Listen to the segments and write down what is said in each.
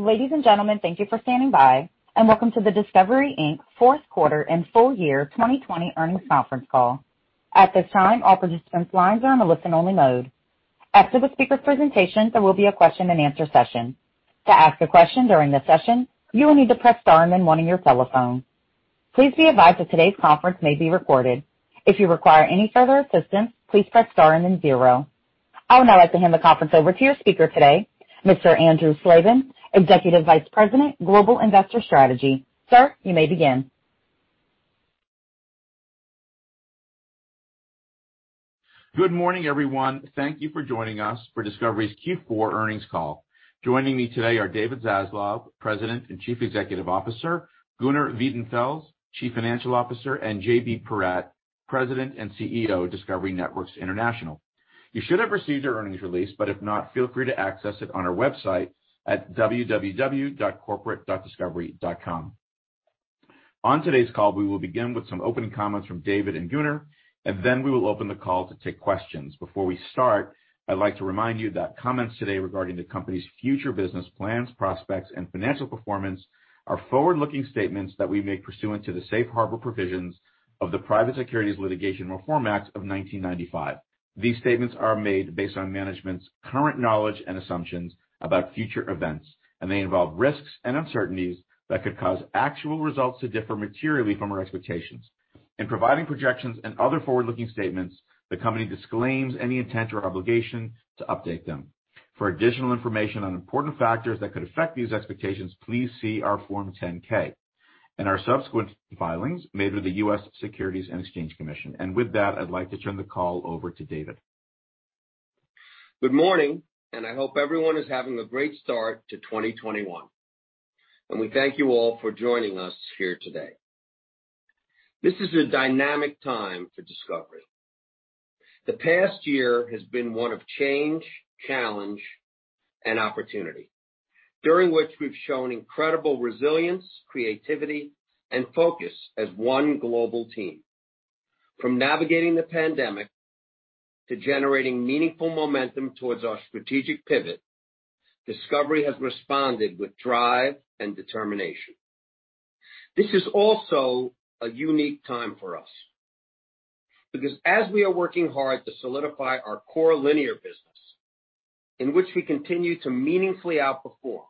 Ladies and gentlemen, thank you for standing by and welcome to the Discovery, Inc. fourth quarter and full year 2020 earnings conference call. At this time, all participants' lines are in a listen-only mode. After the speaker presentation, there will be a question and answer session. To ask a question during the session, you will need to press star and then one on your telephone. Please be advised that today's conference may be recorded. If you require any further assistance, please press star and then zero. I would now like to hand the conference over to your speaker today, Mr. Andrew Slabin, Executive Vice President, Global Investor Strategy. Sir, you may begin. Good morning, everyone. Thank you for joining us for Discovery's Q4 earnings call. Joining me today are David Zaslav, President and Chief Executive Officer, Gunnar Wiedenfels, Chief Financial Officer, and JB Perrette, President and CEO of Discovery Networks International. You should have received our earnings release, but if not, feel free to access it on our website at www.corporate.discovery.com. On today's call, we will begin with some opening comments from David and Gunnar, and then we will open the call to take questions. Before we start, I'd like to remind you that comments today regarding the company's future business plans, prospects, and financial performance are forward-looking statements that we make pursuant to the safe harbor provisions of the Private Securities Litigation Reform Act of 1995. These statements are made based on management's current knowledge and assumptions about future events, and they involve risks and uncertainties that could cause actual results to differ materially from our expectations. In providing projections and other forward-looking statements, the company disclaims any intent or obligation to update them. For additional information on important factors that could affect these expectations, please see our Form 10-K and our subsequent filings made with the U.S. Securities and Exchange Commission. With that, I'd like to turn the call over to David. Good morning, I hope everyone is having a great start to 2021. We thank you all for joining us here today. This is a dynamic time for Discovery. The past year has been one of change, challenge, and opportunity, during which we've shown incredible resilience, creativity, and focus as one global team. From navigating the pandemic to generating meaningful momentum towards our strategic pivot, Discovery has responded with drive and determination. This is also a unique time for us because as we are working hard to solidify our core linear business, in which we continue to meaningfully outperform,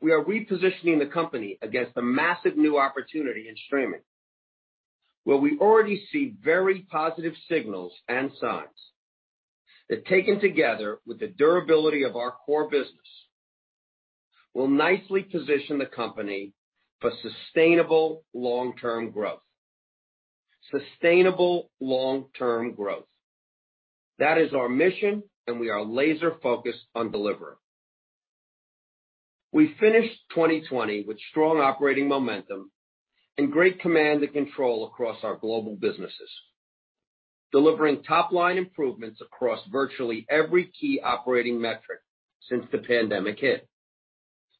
we are repositioning the company against a massive new opportunity in streaming, where we already see very positive signals and signs that, taken together with the durability of our core business, will nicely position the company for sustainable long-term growth. Sustainable long-term growth. That is our mission, and we are laser-focused on delivering. We finished 2020 with strong operating momentum and great command and control across our global businesses, delivering top-line improvements across virtually every key operating metric since the pandemic hit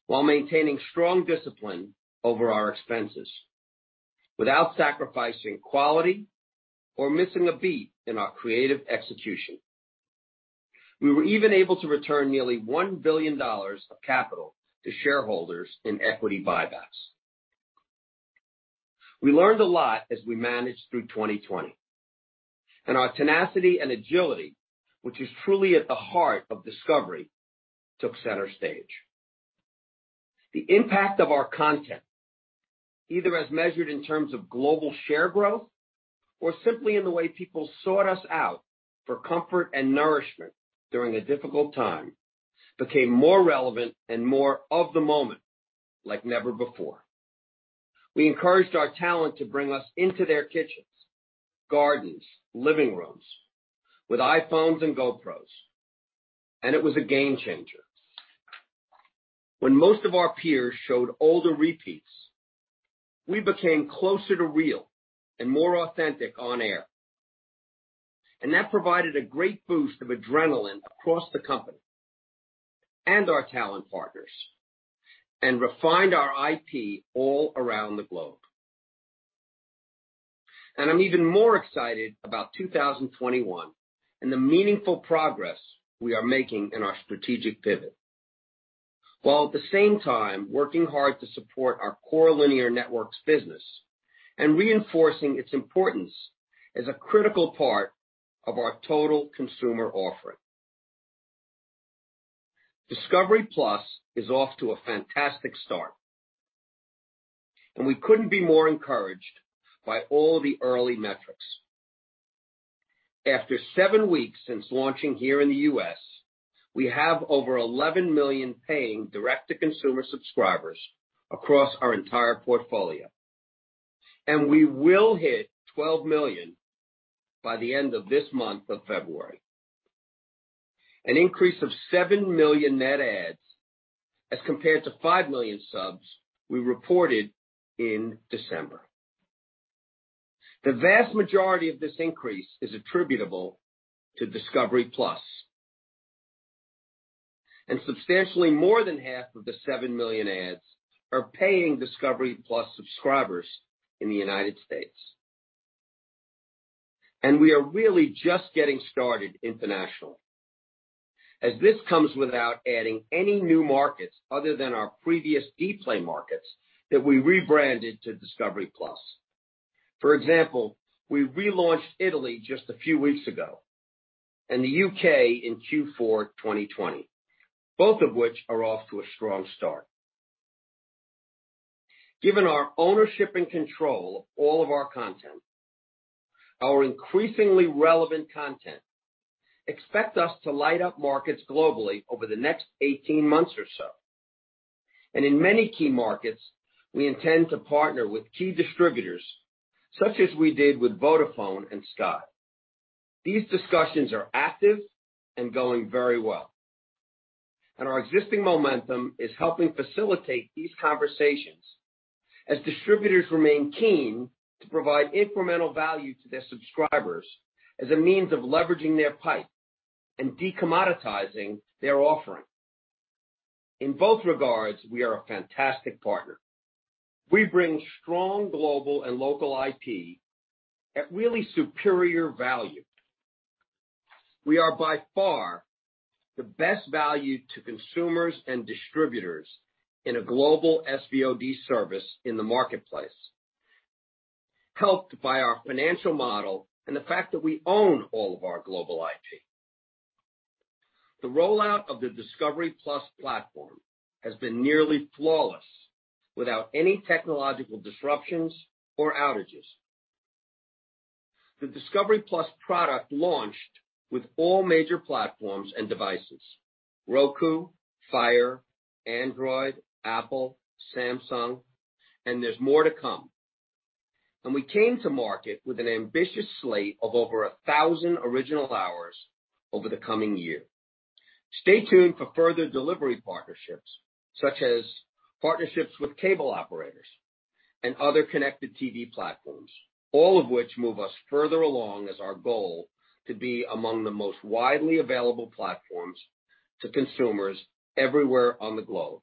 while maintaining strong discipline over our expenses without sacrificing quality or missing a beat in our creative execution. We were even able to return nearly $1 billion of capital to shareholders in equity buybacks. We learned a lot as we managed through 2020, and our tenacity and agility, which is truly at the heart of Discovery, took center stage. The impact of our content, either as measured in terms of global share growth or simply in the way people sought us out for comfort and nourishment during a difficult time, became more relevant and more of the moment like never before. We encouraged our talent to bring us into their kitchens, gardens, living rooms with iPhones and GoPros, and it was a game changer. When most of our peers showed older repeats, we became closer to real and more authentic on air, and that provided a great boost of adrenaline across the company and our talent partners and refined our IP all around the globe. I'm even more excited about 2021 and the meaningful progress we are making in our strategic pivot, while at the same time working hard to support our core linear networks business and reinforcing its importance as a critical part of our total consumer offering. Discovery+ is off to a fantastic start, and we couldn't be more encouraged by all the early metrics. After seven weeks since launching here in the U.S., we have over 11 million paying direct-to-consumer subscribers across our entire portfolio, we will hit 12 million by the end of this month of February, an increase of 7 million net adds as compared to 5 million subs we reported in December. The vast majority of this increase is attributable to Discovery+ and substantially more than half of the 7 million adds are paying Discovery+ subscribers in the U.S. We are really just getting started internationally. This comes without adding any new markets other than our previous Dplay markets that we rebranded to Discovery+. For example, we relaunched Italy just a few weeks ago and the U.K. in Q4 2020, both of which are off to a strong start. Given our ownership and control of all of our content, our increasingly relevant content, expect us to light up markets globally over the next 18 months or so. In many key markets, we intend to partner with key distributors such as we did with Vodafone and Sky. These discussions are active and going very well. Our existing momentum is helping facilitate these conversations as distributors remain keen to provide incremental value to their subscribers as a means of leveraging their pipe and de-commoditizing their offering. In both regards, we are a fantastic partner. We bring strong global and local IP at really superior value. We are by far the best value to consumers and distributors in a global SVOD service in the marketplace, helped by our financial model and the fact that we own all of our global IP. The rollout of the Discovery+ platform has been nearly flawless, without any technological disruptions or outages. The Discovery+ product launched with all major platforms and devices, Roku, Fire, Android, Apple, Samsung. There's more to come. We came to market with an ambitious slate of over 1,000 original hours over the coming year. Stay tuned for further delivery partnerships, such as partnerships with cable operators and other connected TV platforms, all of which move us further along as our goal to be among the most widely available platforms to consumers everywhere on the globe,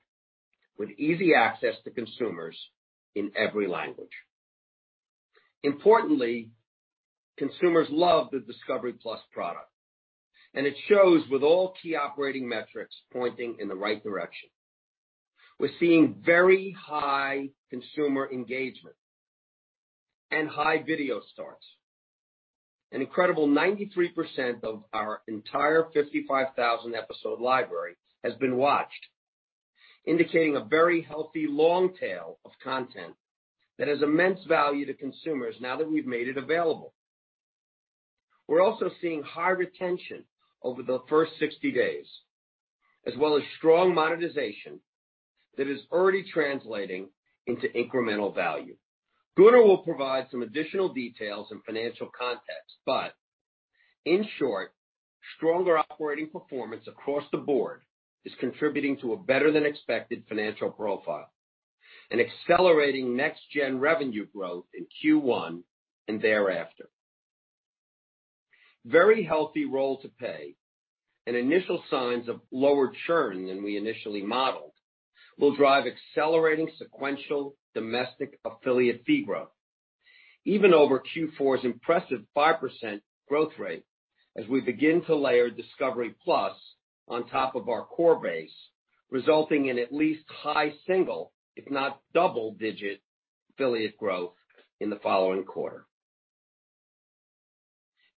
with easy access to consumers in every language. Importantly, consumers love the Discovery+ product. It shows with all key operating metrics pointing in the right direction. We're seeing very high consumer engagement and high video starts. An incredible 93% of our entire 55,000-episode library has been watched, indicating a very healthy long tail of content that has immense value to consumers now that we've made it available. We're also seeing high retention over the first 60 days, as well as strong monetization that is already translating into incremental value. Gunnar will provide some additional details and financial context. In short, stronger operating performance across the board is contributing to a better-than-expected financial profile and accelerating next-gen revenue growth in Q1 and thereafter. Very healthy roll to pay and initial signs of lower churn than we initially modeled will drive accelerating sequential domestic affiliate fee growth. Even over Q4's impressive 5% growth rate as we begin to layer Discovery+ on top of our core base, resulting in at least high single, if not double-digit affiliate growth in the following quarter.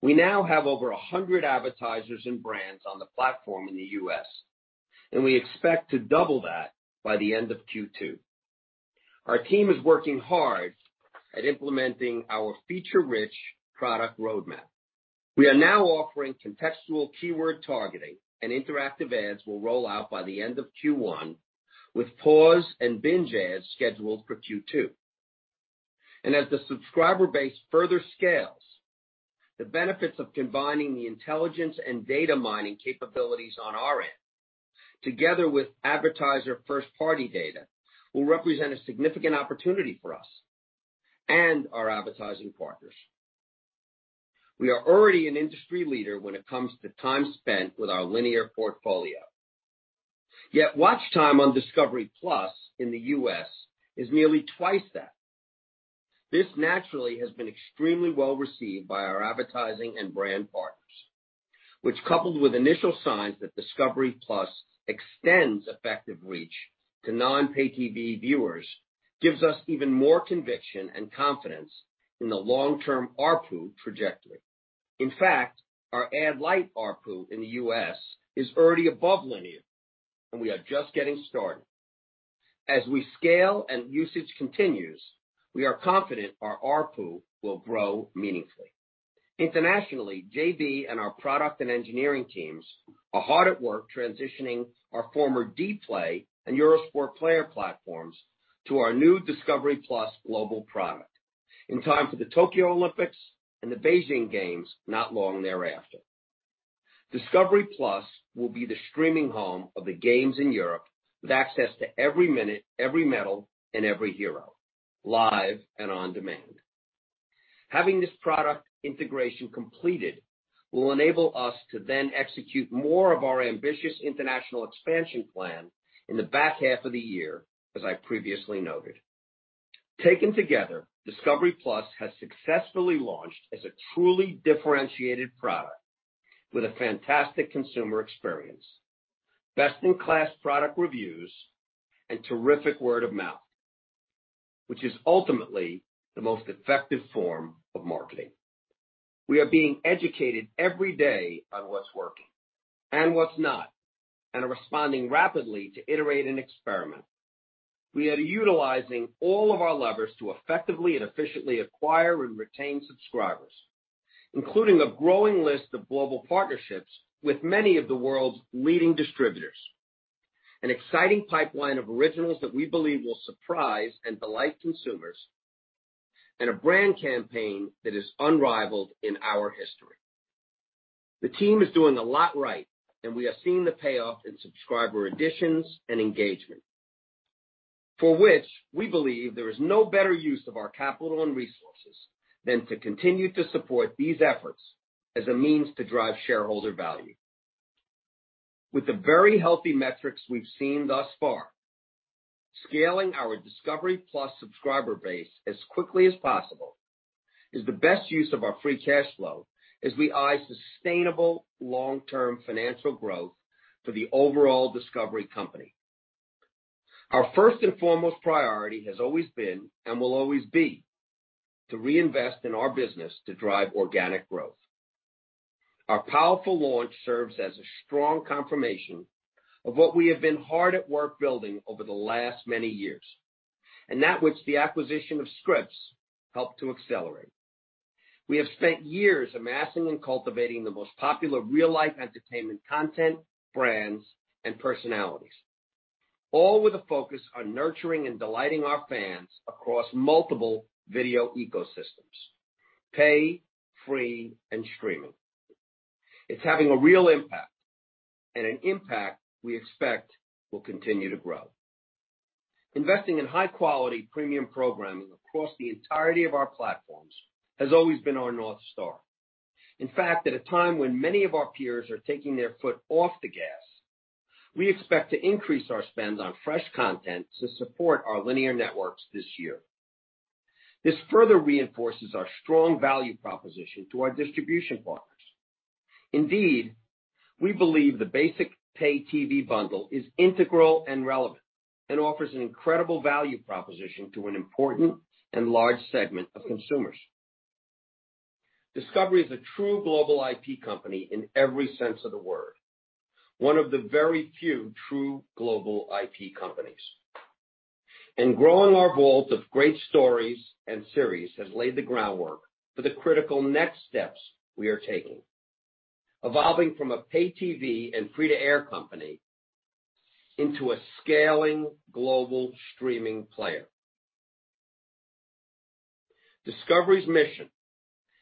We now have over 100 advertisers and brands on the platform in the U.S. We expect to double that by the end of Q2. Our team is working hard at implementing our feature-rich product roadmap. We are now offering contextual keyword targeting. Interactive ads will roll out by the end of Q1 with pause and binge ads scheduled for Q2. As the subscriber base further scales, the benefits of combining the intelligence and data mining capabilities on our end together with advertiser first-party data will represent a significant opportunity for us and our advertising partners. We are already an industry leader when it comes to time spent with our linear portfolio. Yet watch time on Discovery+ in the U.S. is nearly twice that. This naturally has been extremely well-received by our advertising and brand partners, which coupled with initial signs that Discovery+ extends effective reach to non-pay TV viewers gives us even more conviction and confidence in the long-term ARPU trajectory. In fact, our ad-lite ARPU in the U.S. is already above linear. We are just getting started. As we scale and usage continues, we are confident our ARPU will grow meaningfully. Internationally, JB and our product and engineering teams are hard at work transitioning our former Dplay and Eurosport Player platforms to our new Discovery+ global product in time for the Tokyo Olympics and the Beijing Games not long thereafter. Discovery+ will be the streaming home of the games in Europe with access to every minute, every medal, and every hero, live and on demand. Having this product integration completed will enable us to then execute more of our ambitious international expansion plan in the back half of the year, as I previously noted. Taken together, Discovery+ has successfully launched as a truly differentiated product with a fantastic consumer experience, best-in-class product reviews, and terrific word of mouth, which is ultimately the most effective form of marketing. We are being educated every day on what's working and what's not, and are responding rapidly to iterate and experiment. We are utilizing all of our levers to effectively and efficiently acquire and retain subscribers, including a growing list of global partnerships with many of the world's leading distributors, an exciting pipeline of originals that we believe will surprise and delight consumers, and a brand campaign that is unrivaled in our history. The team is doing a lot right, and we are seeing the payoff in subscriber additions and engagement, for which we believe there is no better use of our capital and resources than to continue to support these efforts as a means to drive shareholder value. With the very healthy metrics we've seen thus far, scaling our Discovery+ subscriber base as quickly as possible is the best use of our free cash flow as we eye sustainable long-term financial growth for the overall Discovery company. Our first and foremost priority has always been, and will always be, to reinvest in our business to drive organic growth. Our powerful launch serves as a strong confirmation of what we have been hard at work building over the last many years, and that which the acquisition of Scripps helped to accelerate. We have spent years amassing and cultivating the most popular real-life entertainment content, brands, and personalities, all with a focus on nurturing and delighting our fans across multiple video ecosystems: pay, free, and streaming. It's having a real impact and an impact we expect will continue to grow. Investing in high-quality premium programming across the entirety of our platforms has always been our North Star. In fact, at a time when many of our peers are taking their foot off the gas, we expect to increase our spend on fresh content to support our linear networks this year. This further reinforces our strong value proposition to our distribution partners. Indeed, we believe the basic pay TV bundle is integral and relevant and offers an incredible value proposition to an important and large segment of consumers. Discovery is a true global IP company in every sense of the word, one of the very few true global IP companies. Growing our vault of great stories and series has laid the groundwork for the critical next steps we are taking, evolving from a pay TV and free to air company into a scaling global streaming player. Discovery's mission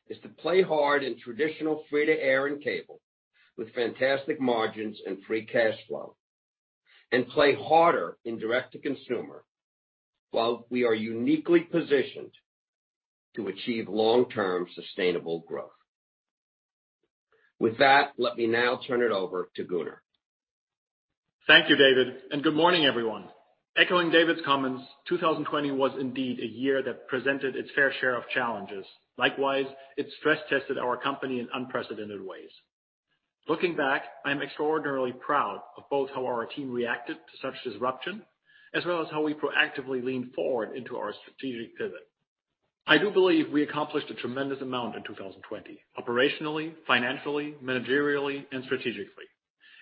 is to play hard in traditional free to air and cable with fantastic margins and free cash flow, and play harder in direct to consumer while we are uniquely positioned to achieve long-term sustainable growth. With that, let me now turn it over to Gunnar. Thank you, David, and good morning, everyone. Echoing David's comments, 2020 was indeed a year that presented its fair share of challenges. Likewise, it stress-tested our company in unprecedented ways. Looking back, I'm extraordinarily proud of both how our team reacted to such disruption, as well as how we proactively leaned forward into our strategic pivot. I do believe we accomplished a tremendous amount in 2020, operationally, financially, managerially, and strategically.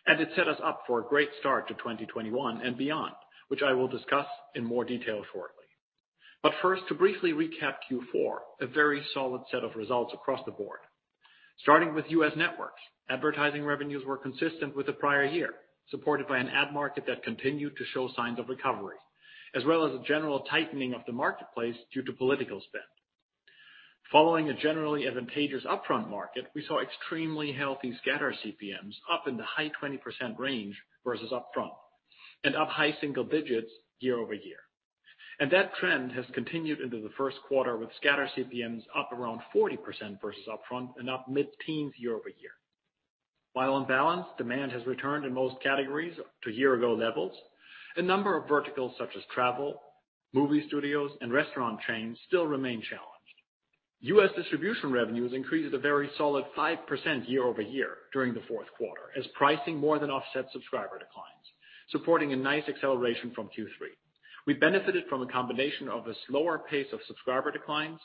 It set us up for a great start to 2021 and beyond, which I will discuss in more detail shortly. First, to briefly recap Q4, a very solid set of results across the board. Starting with U.S. networks, advertising revenues were consistent with the prior year, supported by an ad market that continued to show signs of recovery, as well as a general tightening of the marketplace due to political spend. Following a generally advantageous upfront market, we saw extremely healthy scatter CPMs up in the high 20% range versus upfront and up high single digits year-over-year. That trend has continued into the first quarter with scatter CPMs up around 40% versus upfront and up mid-teens year-over-year. While on balance, demand has returned in most categories to year-ago levels, a number of verticals such as travel, movie studios, and restaurant chains still remain challenged. U.S. distribution revenues increased a very solid 5% year-over-year during the fourth quarter as pricing more than offset subscriber declines, supporting a nice acceleration from Q3. We benefited from a combination of a slower pace of subscriber declines,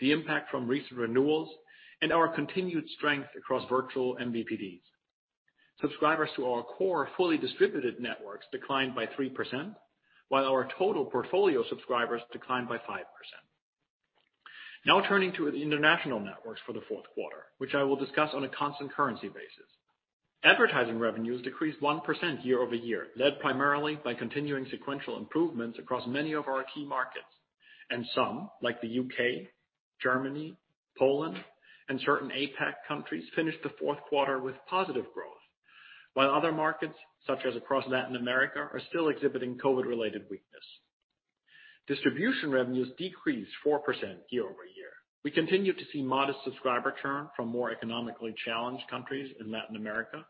the impact from recent renewals, and our continued strength across virtual MVPDs. Subscribers to our core fully distributed networks declined by 3%, while our total portfolio subscribers declined by 5%. Now turning to the international networks for the fourth quarter, which I will discuss on a constant currency basis. Advertising revenues decreased 1% year-over-year, led primarily by continuing sequential improvements across many of our key markets. Some, like the U.K., Germany, Poland, and certain APAC countries, finished the fourth quarter with positive growth. While other markets, such as across Latin America, are still exhibiting COVID-related weakness. Distribution revenues decreased 4% year-over-year. We continue to see modest subscriber churn from more economically challenged countries in Latin America.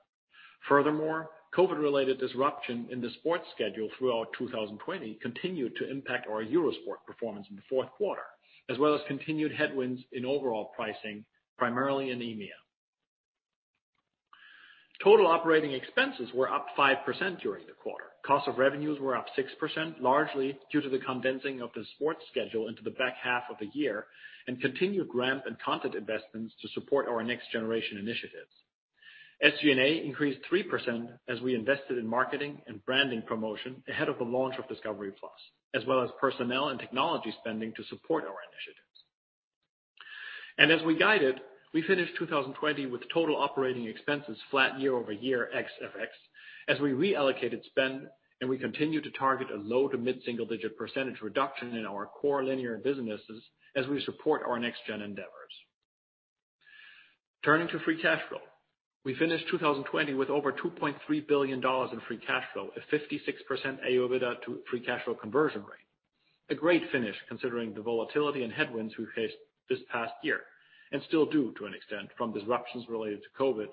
Furthermore, COVID-related disruption in the sports schedule throughout 2020 continued to impact our Eurosport performance in the fourth quarter, as well as continued headwinds in overall pricing, primarily in EMEA. Total operating expenses were up 5% during the quarter. Cost of revenues were up 6%, largely due to the condensing of the sports schedule into the back half of the year, and continued ramp and content investments to support our next generation initiatives. SG&A increased 3% as we invested in marketing and branding promotion ahead of the launch of Discovery+, as well as personnel and technology spending to support our initiatives. As we guided, we finished 2020 with total operating expenses flat year-over-year ex-FX, as we reallocated spend and we continued to target a low to mid-single-digit percentage reduction in our core linear businesses as we support our next gen endeavors. Turning to free cash flow. We finished 2020 with over $2.3 billion in free cash flow, a 56% AOIBDA to free cash flow conversion rate. A great finish considering the volatility and headwinds we faced this past year, and still do to an extent from disruptions related to COVID,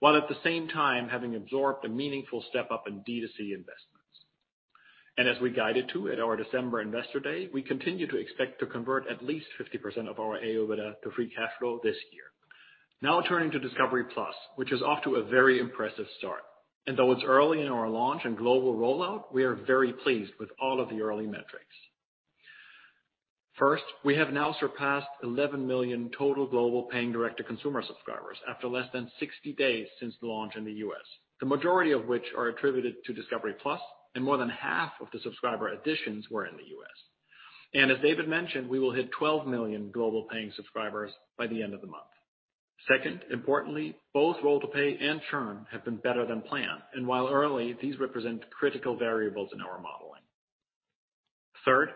while at the same time having absorbed a meaningful step-up in D2C investments. As we guided to at our December investor day, we continue to expect to convert at least 50% of our AOIBDA to free cash flow this year. Now turning to Discovery+, which is off to a very impressive start. Though it's early in our launch and global rollout, we are very pleased with all of the early metrics. First, we have now surpassed 11 million total global paying direct-to-consumer subscribers after less than 60 days since the launch in the U.S., the majority of which are attributed to Discovery+, and more than half of the subscriber additions were in the U.S. As David mentioned, we will hit 12 million global paying subscribers by the end of the month. Second, importantly, both roll-to-pay and churn have been better than planned, and while early, these represent critical variables in our modeling. Third,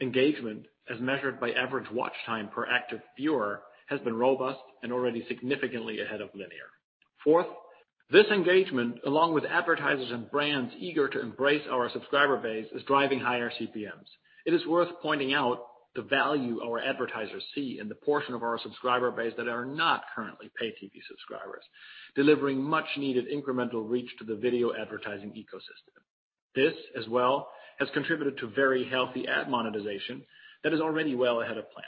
engagement, as measured by average watch time per active viewer, has been robust and already significantly ahead of linear. Fourth, this engagement, along with advertisers and brands eager to embrace our subscriber base, is driving higher CPMs. It is worth pointing out the value our advertisers see in the portion of our subscriber base that are not currently pay TV subscribers, delivering much-needed incremental reach to the video advertising ecosystem. This, as well, has contributed to very healthy ad monetization that is already well ahead of plan.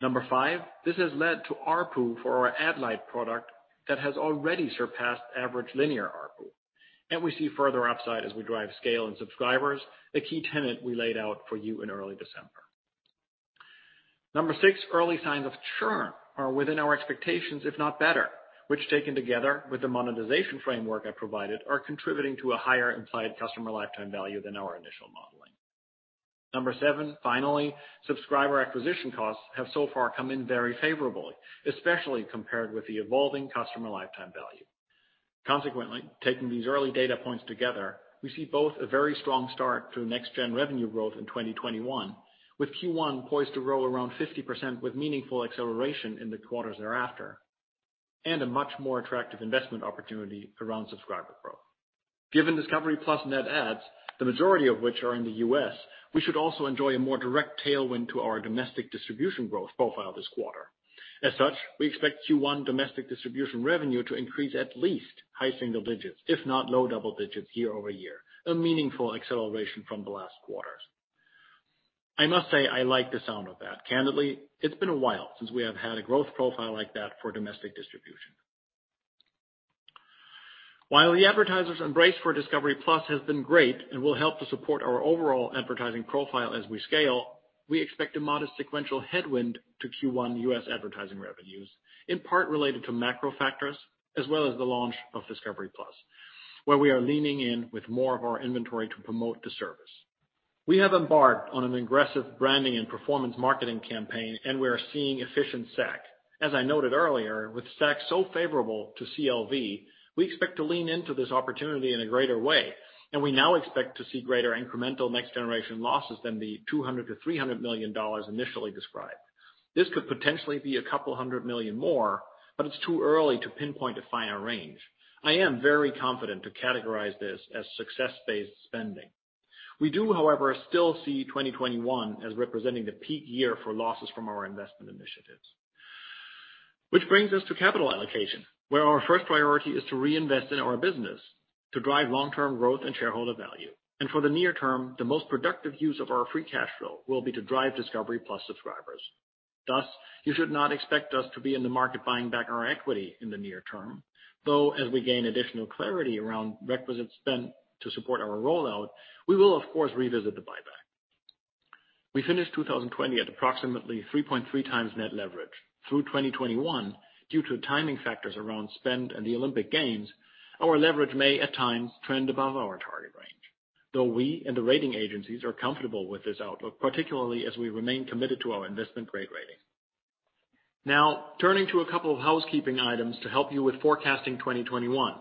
Number five, this has led to ARPU for our ad light product that has already surpassed average linear ARPU, and we see further upside as we drive scale and subscribers, a key tenet we laid out for you in early December. Number six, early signs of churn are within our expectations, if not better, which taken together with the monetization framework I provided, are contributing to a higher implied customer lifetime value than our initial modeling. Number seven, finally, subscriber acquisition costs have so far come in very favorably, especially compared with the evolving customer lifetime value. Consequently, taking these early data points together, we see both a very strong start to next gen revenue growth in 2021, with Q1 poised to grow around 50% with meaningful acceleration in the quarters thereafter, and a much more attractive investment opportunity around subscriber growth. Given Discovery+ net adds, the majority of which are in the U.S., we should also enjoy a more direct tailwind to our domestic distribution growth profile this quarter. As such, we expect Q1 domestic distribution revenue to increase at least high single digits, if not low double digits year-over-year, a meaningful acceleration from the last quarters. I must say, I like the sound of that. Candidly, it's been a while since we have had a growth profile like that for domestic distribution. While the advertisers embrace for Discovery+ has been great and will help to support our overall advertising profile as we scale, we expect a modest sequential headwind to Q1 U.S. advertising revenues, in part related to macro factors as well as the launch of Discovery+, where we are leaning in with more of our inventory to promote the service. We have embarked on an aggressive branding and performance marketing campaign, and we are seeing efficient SAC. As I noted earlier, with SAC so favorable to CLV, we expect to lean into this opportunity in a greater way, and we now expect to see greater incremental next generation losses than the $200 million-$300 million initially described. This could potentially be $200 million more, but it's too early to pinpoint a finer range. I am very confident to categorize this as success-based spending. We do, however, still see 2021 as representing the peak year for losses from our investment initiatives. Which brings us to capital allocation, where our first priority is to reinvest in our business to drive long-term growth and shareholder value. For the near term, the most productive use of our free cash flow will be to drive Discovery+ subscribers. You should not expect us to be in the market buying back our equity in the near term, though as we gain additional clarity around requisite spend to support our rollout, we will of course revisit the buyback. We finished 2020 at approximately 3.3x net leverage. Through 2021, due to timing factors around spend and the Olympic Games, our leverage may at times trend above our target range, though we and the rating agencies are comfortable with this outlook, particularly as we remain committed to our investment-grade rating. Turning to a couple of housekeeping items to help you with forecasting 2021.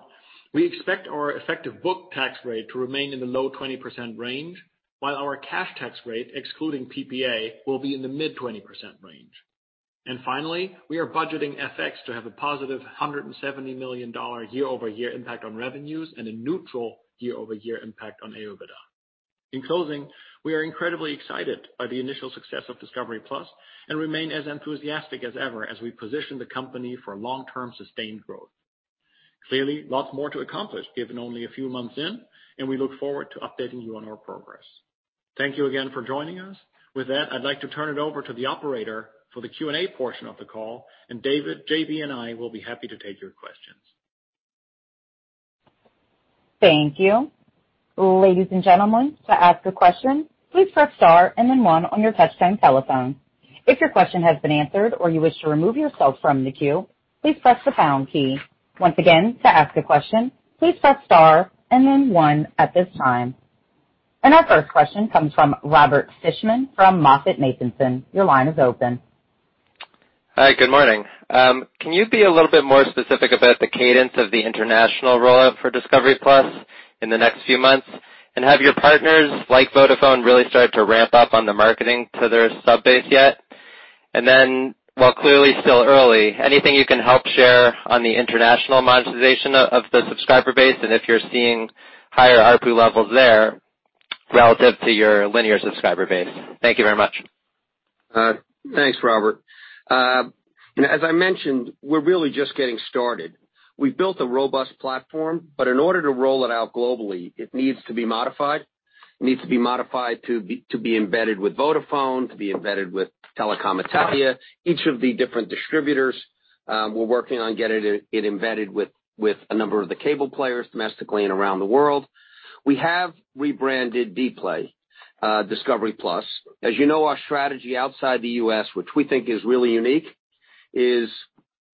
We expect our effective book tax rate to remain in the low 20% range, while our cash tax rate, excluding PPA, will be in the mid-20% range. Finally, we are budgeting FX to have a positive $170 million year-over-year impact on revenues and a neutral year-over-year impact on OIBDA. In closing, we are incredibly excited by the initial success of Discovery+ and remain as enthusiastic as ever as we position the company for long-term sustained growth. Clearly, lots more to accomplish given only a few months in, and we look forward to updating you on our progress. Thank you again for joining us. With that, I'd like to turn it over to the operator for the Q&A portion of the call, and David, JB, and I will be happy to take your questions. Thank you. Ladies and gentlemen, to ask a question, please press star and then one on your touch-tone telephone. If your question has been answered or you wish to remove yourself from the queue, please press the pound key. Once again, to ask a question, please press star and then one at this time. Our first question comes from Robert Fishman from MoffettNathanson. Your line is open. Hi, good morning. Can you be a little bit more specific about the cadence of the international rollout for Discovery+ in the next few months? Have your partners, like Vodafone, really started to ramp up on the marketing to their sub-base yet? While clearly still early, anything you can help share on the international monetization of the subscriber base and if you're seeing higher ARPU levels there relative to your linear subscriber base. Thank you very much. Thanks, Robert. As I mentioned, we're really just getting started. We've built a robust platform, in order to roll it out globally, it needs to be modified. It needs to be modified to be embedded with Vodafone, to be embedded with Telecom Italia, each of the different distributors. We're working on getting it embedded with a number of the cable players domestically and around the world. We have rebranded Dplay Discovery+. As you know, our strategy outside the U.S., which we think is really unique, is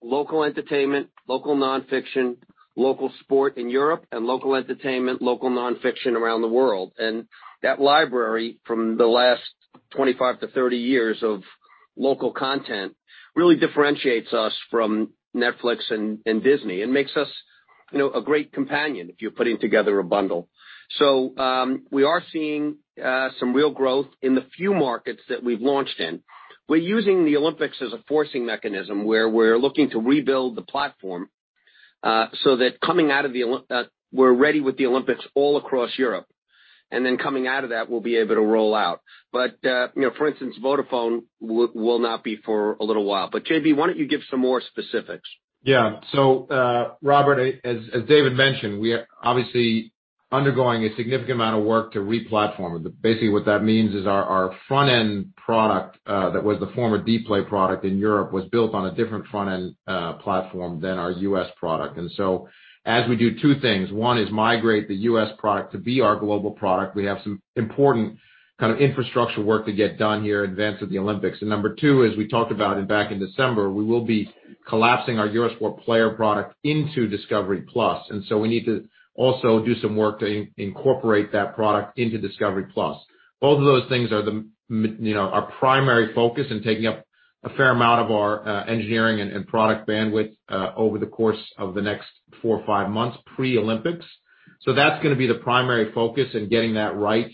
local entertainment, local nonfiction, local sport in Europe, and local entertainment, local nonfiction around the world. That library from the last 25-30 years of local content really differentiates us from Netflix and Disney and makes us a great companion if you're putting together a bundle. We are seeing some real growth in the few markets that we've launched in. We're using the Olympics as a forcing mechanism, where we're looking to rebuild the platform so that we're ready with the Olympics all across Europe. Then coming out of that, we'll be able to roll out. For instance, Vodafone will not be for a little while. JB, why don't you give some more specifics? Yeah. Robert, as David mentioned, we are obviously undergoing a significant amount of work to re-platform. Basically what that means is our front-end product that was the former Dplay product in Europe was built on a different front-end platform than our U.S. product. As we do two things, one is migrate the U.S. product to be our global product. We have some important kind of infrastructure work to get done here in advance of the Olympics. Number two, as we talked about back in December, we will be collapsing our U.S. player product into Discovery+. We need to also do some work to incorporate that product into Discovery+. Both of those things are our primary focus and taking up a fair amount of our engineering and product bandwidth over the course of the next four or five months pre-Olympics. That's going to be the primary focus in getting that right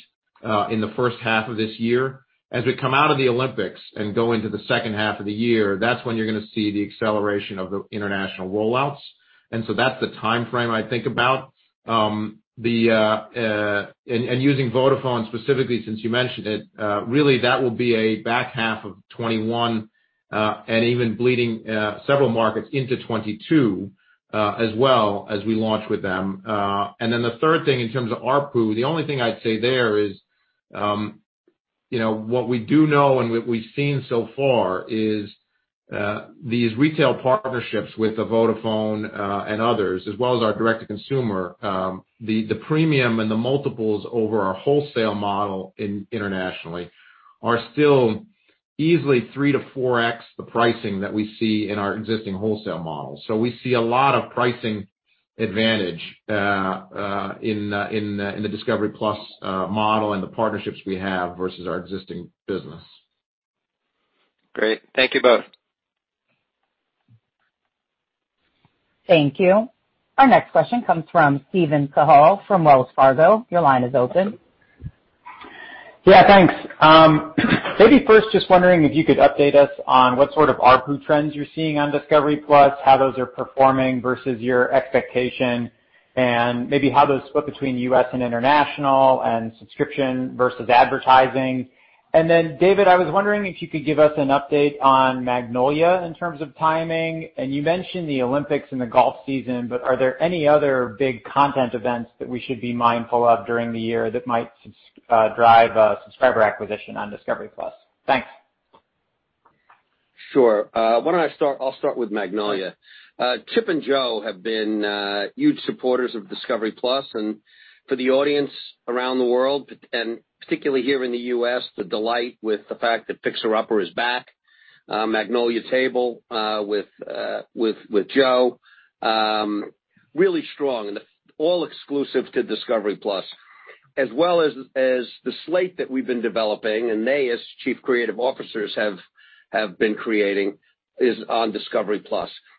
in the first half of this year. As we come out of the Olympics and go into the second half of the year, that's when you're going to see the acceleration of the international rollouts. That's the timeframe I think about. Using Vodafone specifically since you mentioned it, really that will be a back half of 2021, and even bleeding several markets into 2022 as well as we launch with them. Then the third thing in terms of ARPU, the only thing I'd say there is what we do know and what we've seen so far is these retail partnerships with the Vodafone and others, as well as our direct-to-consumer, the premium and the multiples over our wholesale model internationally are still easily 3x-4x the pricing that we see in our existing wholesale model. We see a lot of pricing advantage in the Discovery+ model and the partnerships we have versus our existing business. Great. Thank you both. Thank you. Our next question comes from Steven Cahall from Wells Fargo. Yeah, thanks. Maybe first just wondering if you could update us on what sort of ARPU trends you're seeing on Discovery+, how those are performing versus your expectation, and maybe how those split between U.S. and international and subscription versus advertising. Then David, I was wondering if you could give us an update on Magnolia in terms of timing. You mentioned the Olympics and the golf season, but are there any other big content events that we should be mindful of during the year that might drive subscriber acquisition on Discovery+? Thanks. Sure. Why don't I start? I'll start with Magnolia. Chip and Jo have been huge supporters of Discovery+. For the audience around the world, and particularly here in the U.S., the delight with the fact that Fixer Upper is back, Magnolia Table with Jo, really strong and all exclusive to Discovery+, as well as the slate that we've been developing and they as Chief Creative Officers have been creating is on Discovery+.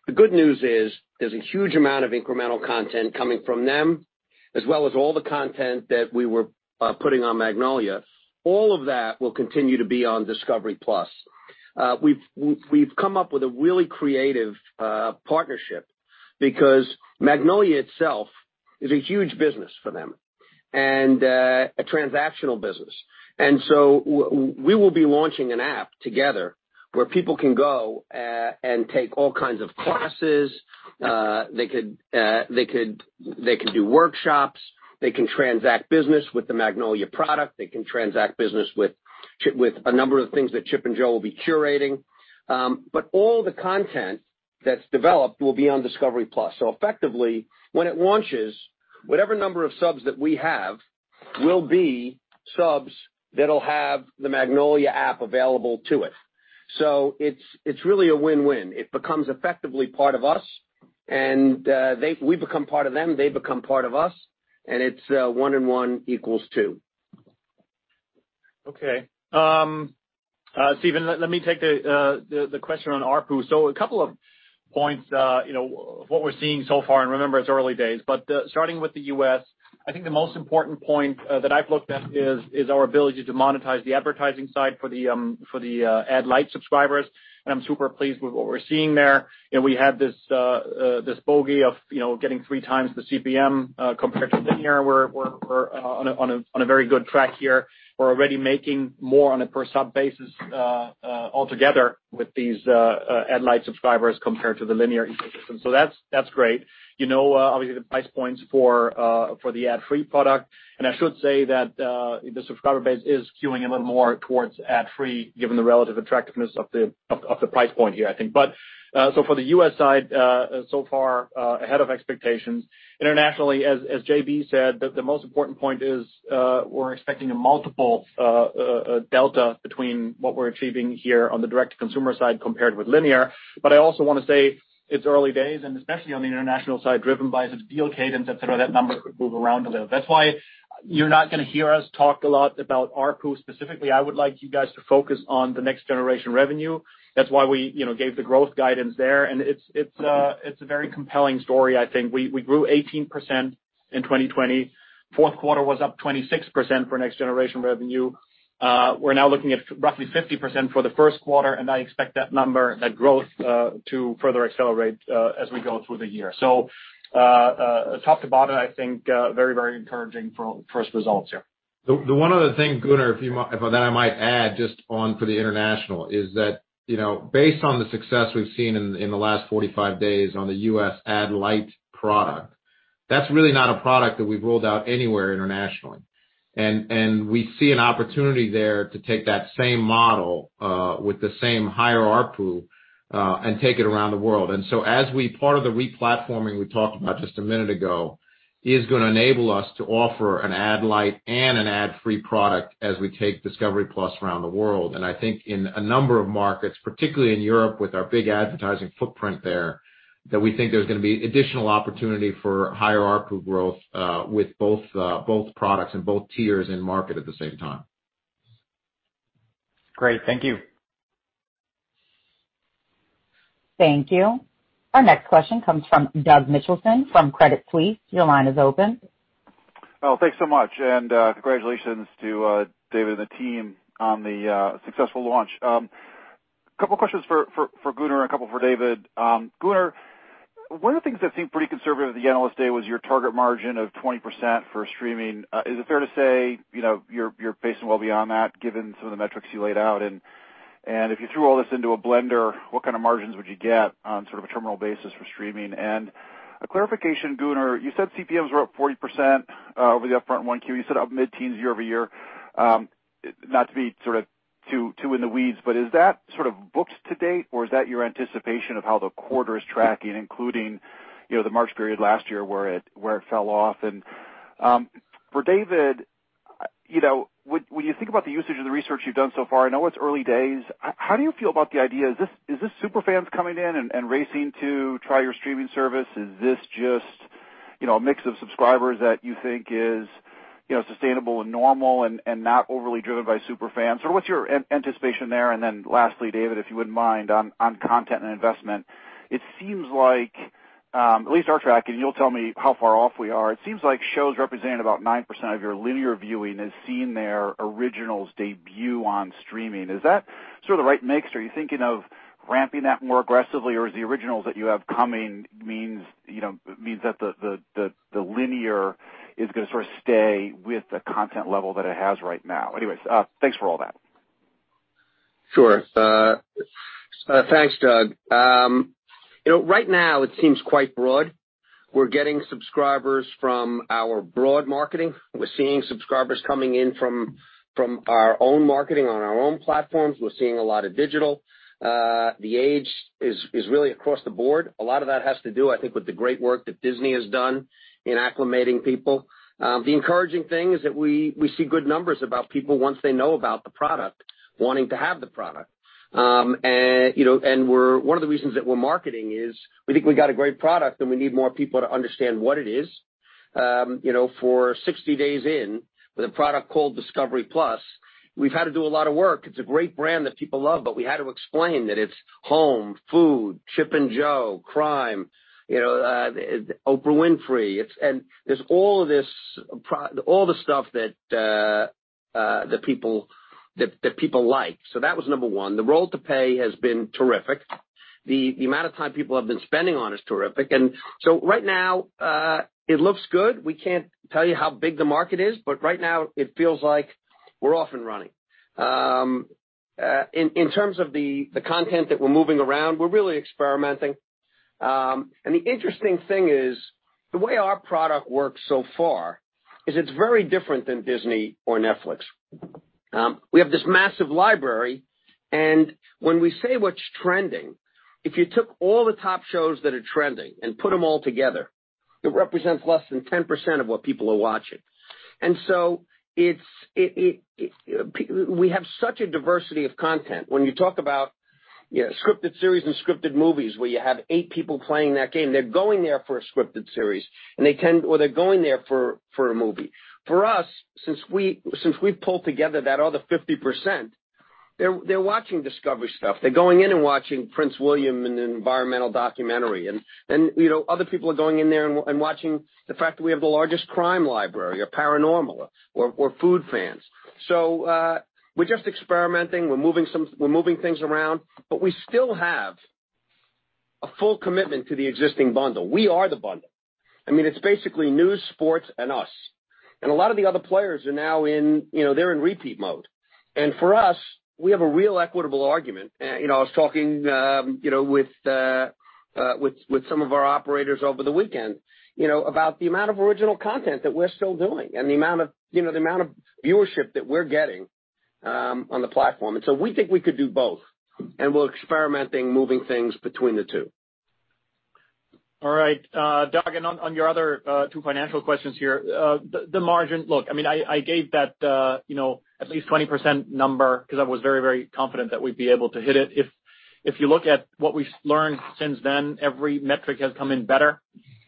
The good news is there's a huge amount of incremental content coming from them, as well as all the content that we were putting on Magnolia. All of that will continue to be on Discovery+. We've come up with a really creative partnership because Magnolia itself is a huge business for them, and a transactional business. We will be launching an app together where people can go and take all kinds of classes. They could do workshops, they can transact business with the Magnolia product. They can transact business with a number of things that Chip and Jo will be curating. All the content that's developed will be on Discovery+. Effectively, when it launches, whatever number of subs that we have will be subs that'll have the Magnolia app available to it. It's really a win-win. It becomes effectively part of us, and we become part of them, they become part of us, and it's one and one equals two. Okay. Steven, let me take the question on ARPU. A couple of points. What we're seeing so far, and remember, it's early days, but starting with the U.S., I think the most important point that I've looked at is our ability to monetize the advertising side for the ad light subscribers, and I'm super pleased with what we're seeing there. We have this bogey of getting 3x the CPM compared to linear. We're on a very good track here. We're already making more on a per sub basis altogether with these ad light subscribers compared to the linear ecosystem. That's great. Obviously, the price points for the ad free product, and I should say that the subscriber base is skewing a little more towards ad free given the relative attractiveness of the price point here, I think. For the U.S. side, so far ahead of expectations. Internationally, as JB said, the most important point is, we're expecting a multiple delta between what we're achieving here on the direct-to-consumer side compared with linear. I also want to say it's early days and especially on the international side driven by the deal cadence, et cetera, that number could move around a little. That's why you're not going to hear us talk a lot about ARPU specifically. I would like you guys to focus on the next generation revenue. That's why we gave the growth guidance there, and it's a very compelling story, I think. We grew 18% in 2020. Fourth quarter was up 26% for next generation revenue. We're now looking at roughly 50% for the first quarter, and I expect that number, that growth, to further accelerate as we go through the year. Top to bottom, I think very encouraging for first results here. The one other thing, Gunnar, that I might add just on for the international is that, based on the success we've seen in the last 45 days on the U.S. ad light product, that's really not a product that we've rolled out anywhere internationally. We see an opportunity there to take that same model with the same higher ARPU and take it around the world. As we part of the re-platforming we talked about just a minute ago is going to enable us to offer an ad light and an ad free product as we take Discovery+ around the world. I think in a number of markets, particularly in Europe with our big advertising footprint there, that we think there's going to be additional opportunity for higher ARPU growth with both products and both tiers in market at the same time. Great. Thank you. Thank you. Our next question comes from Doug Mitchelson from Credit Suisse. Your line is open. Well, thanks so much. Congratulations to David and the team on the successful launch. Couple questions for Gunnar and a couple for David. Gunnar, one of the things that seemed pretty conservative at the analyst day was your target margin of 20% for streaming. Is it fair to say you're pacing well beyond that given some of the metrics you laid out? If you threw all this into a blender, what kind of margins would you get on sort of a terminal basis for streaming? A clarification, Gunnar. You said CPMs were up 40% over the upfront 1Q. You said up mid-teens year-over-year. Not to be sort of too in the weeds, is that sort of booked to date, or is that your anticipation of how the quarter is tracking, including the March period last year where it fell off? For David, when you think about the usage of the research you've done so far, I know it's early days. How do you feel about the idea? Is this super fans coming in and racing to try your streaming service? Is this just a mix of subscribers that you think is sustainable and normal and not overly driven by super fans? What's your anticipation there? Lastly, David, if you wouldn't mind on content and investment. It seems like, at least our tracking, you'll tell me how far off we are. It seems like shows representing about 9% of your linear viewing has seen their originals debut on streaming. Is that sort of the right mix, or are you thinking of ramping that more aggressively? Is the originals that you have coming means that the linear is going to sort of stay with the content level that it has right now? Anyways, thanks for all that. Sure. Thanks, Doug. Right now it seems quite broad. We're getting subscribers from our broad marketing. We're seeing subscribers coming in from our own marketing on our own platforms. We're seeing a lot of digital. The age is really across the board. A lot of that has to do, I think, with the great work that Disney has done in acclimating people. The encouraging thing is that we see good numbers about people once they know about the product, wanting to have the product. One of the reasons that we're marketing is we think we got a great product, and we need more people to understand what it is. For 60 days in, with a product called Discovery+, we've had to do a lot of work. It's a great brand that people love, but we had to explain that it's home, food, Chip and Jo, crime, Oprah Winfrey. There's all the stuff that people like. That was number one. The roll to pay has been terrific. The amount of time people have been spending on is terrific. Right now, it looks good. We can't tell you how big the market is, but right now it feels like we're off and running. In terms of the content that we're moving around, we're really experimenting. The interesting thing is, the way our product works so far is it's very different than Disney or Netflix. We have this massive library, and when we say what's trending, if you took all the top shows that are trending and put them all together, it represents less than 10% of what people are watching. We have such a diversity of content. When you talk about scripted series and scripted movies, where you have eight people playing that game, they're going there for a scripted series, or they're going there for a movie. For us, since we've pulled together that other 50%, they're watching Discovery stuff. They're going in and watching Prince William in an environmental documentary. Other people are going in there and watching the fact that we have the largest crime library or paranormal or food fans. We're just experimenting. We're moving things around, but we still have a full commitment to the existing bundle. We are the bundle. It's basically news, sports, and us. A lot of the other players are now in repeat mode. For us, we have a real equitable argument. I was talking with some of our operators over the weekend about the amount of original content that we're still doing and the amount of viewership that we're getting on the platform. We think we could do both, and we're experimenting, moving things between the two. All right. Doug, on your other two financial questions here. The margin, look, I gave that at least 20% number because I was very confident that we'd be able to hit it. If you look at what we've learned since then, every metric has come in better.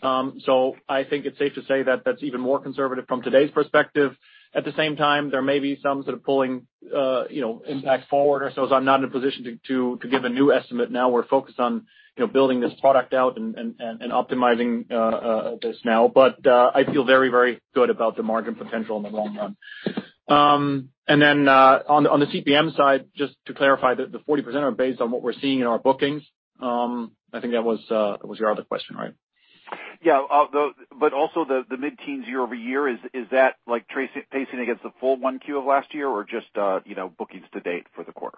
I think it's safe to say that that's even more conservative from today's perspective. At the same time, there may be some sort of pulling impact forward or so. I'm not in a position to give a new estimate now. We're focused on building this product out and optimizing this now. I feel very good about the margin potential in the long run. On the CPM side, just to clarify that the 40% are based on what we're seeing in our bookings. I think that was your other question, right? Yeah. Also the mid-teens year-over-year, is that pacing against the full 1Q of last year or just bookings to date for the quarter?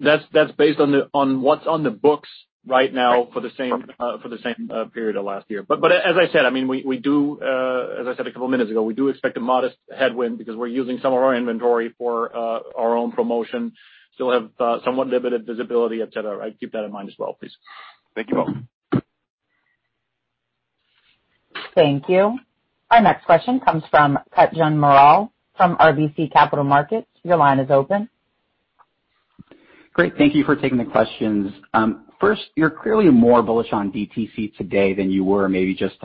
That's based on what's on the books right now for the same period of last year. As I said a couple of minutes ago, we do expect a modest headwind because we're using some of our inventory for our own promotion. We still have somewhat limited visibility, et cetera. Keep that in mind as well, please. Thank you all. Thank you. Our next question comes from Kutgun Maral from RBC Capital Markets. Your line is open. Great. Thank you for taking the questions. First, you're clearly more bullish on DTC today than you were maybe just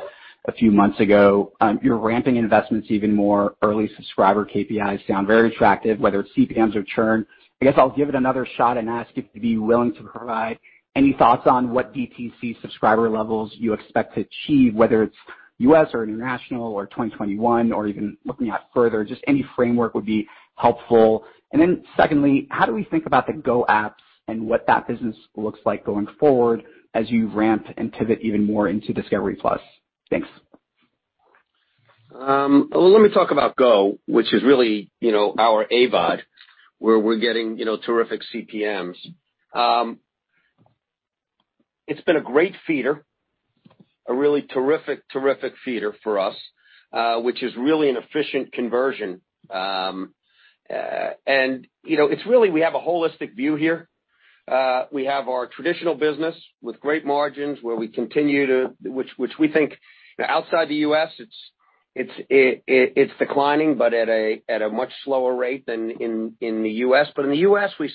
a few months ago. You're ramping investments even more. Early subscriber KPIs sound very attractive, whether it's CPMs or churn. I guess I'll give it another shot and ask if you'd be willing to provide any thoughts on what DTC subscriber levels you expect to achieve, whether it's U.S. or international or 2021 or even looking out further. Just any framework would be helpful. Secondly, how do we think about the GO apps and what that business looks like going forward as you ramp and pivot even more into Discovery+? Thanks. Let me talk about GO, which is really our AVOD, where we're getting terrific CPMs. It's been a great feeder, a really terrific feeder for us, which is really an efficient conversion. It's really we have a holistic view here. We have our traditional business with great margins where we continue to. Which we think outside the U.S., it's declining but at a much slower rate than in the U.S. In the U.S., we're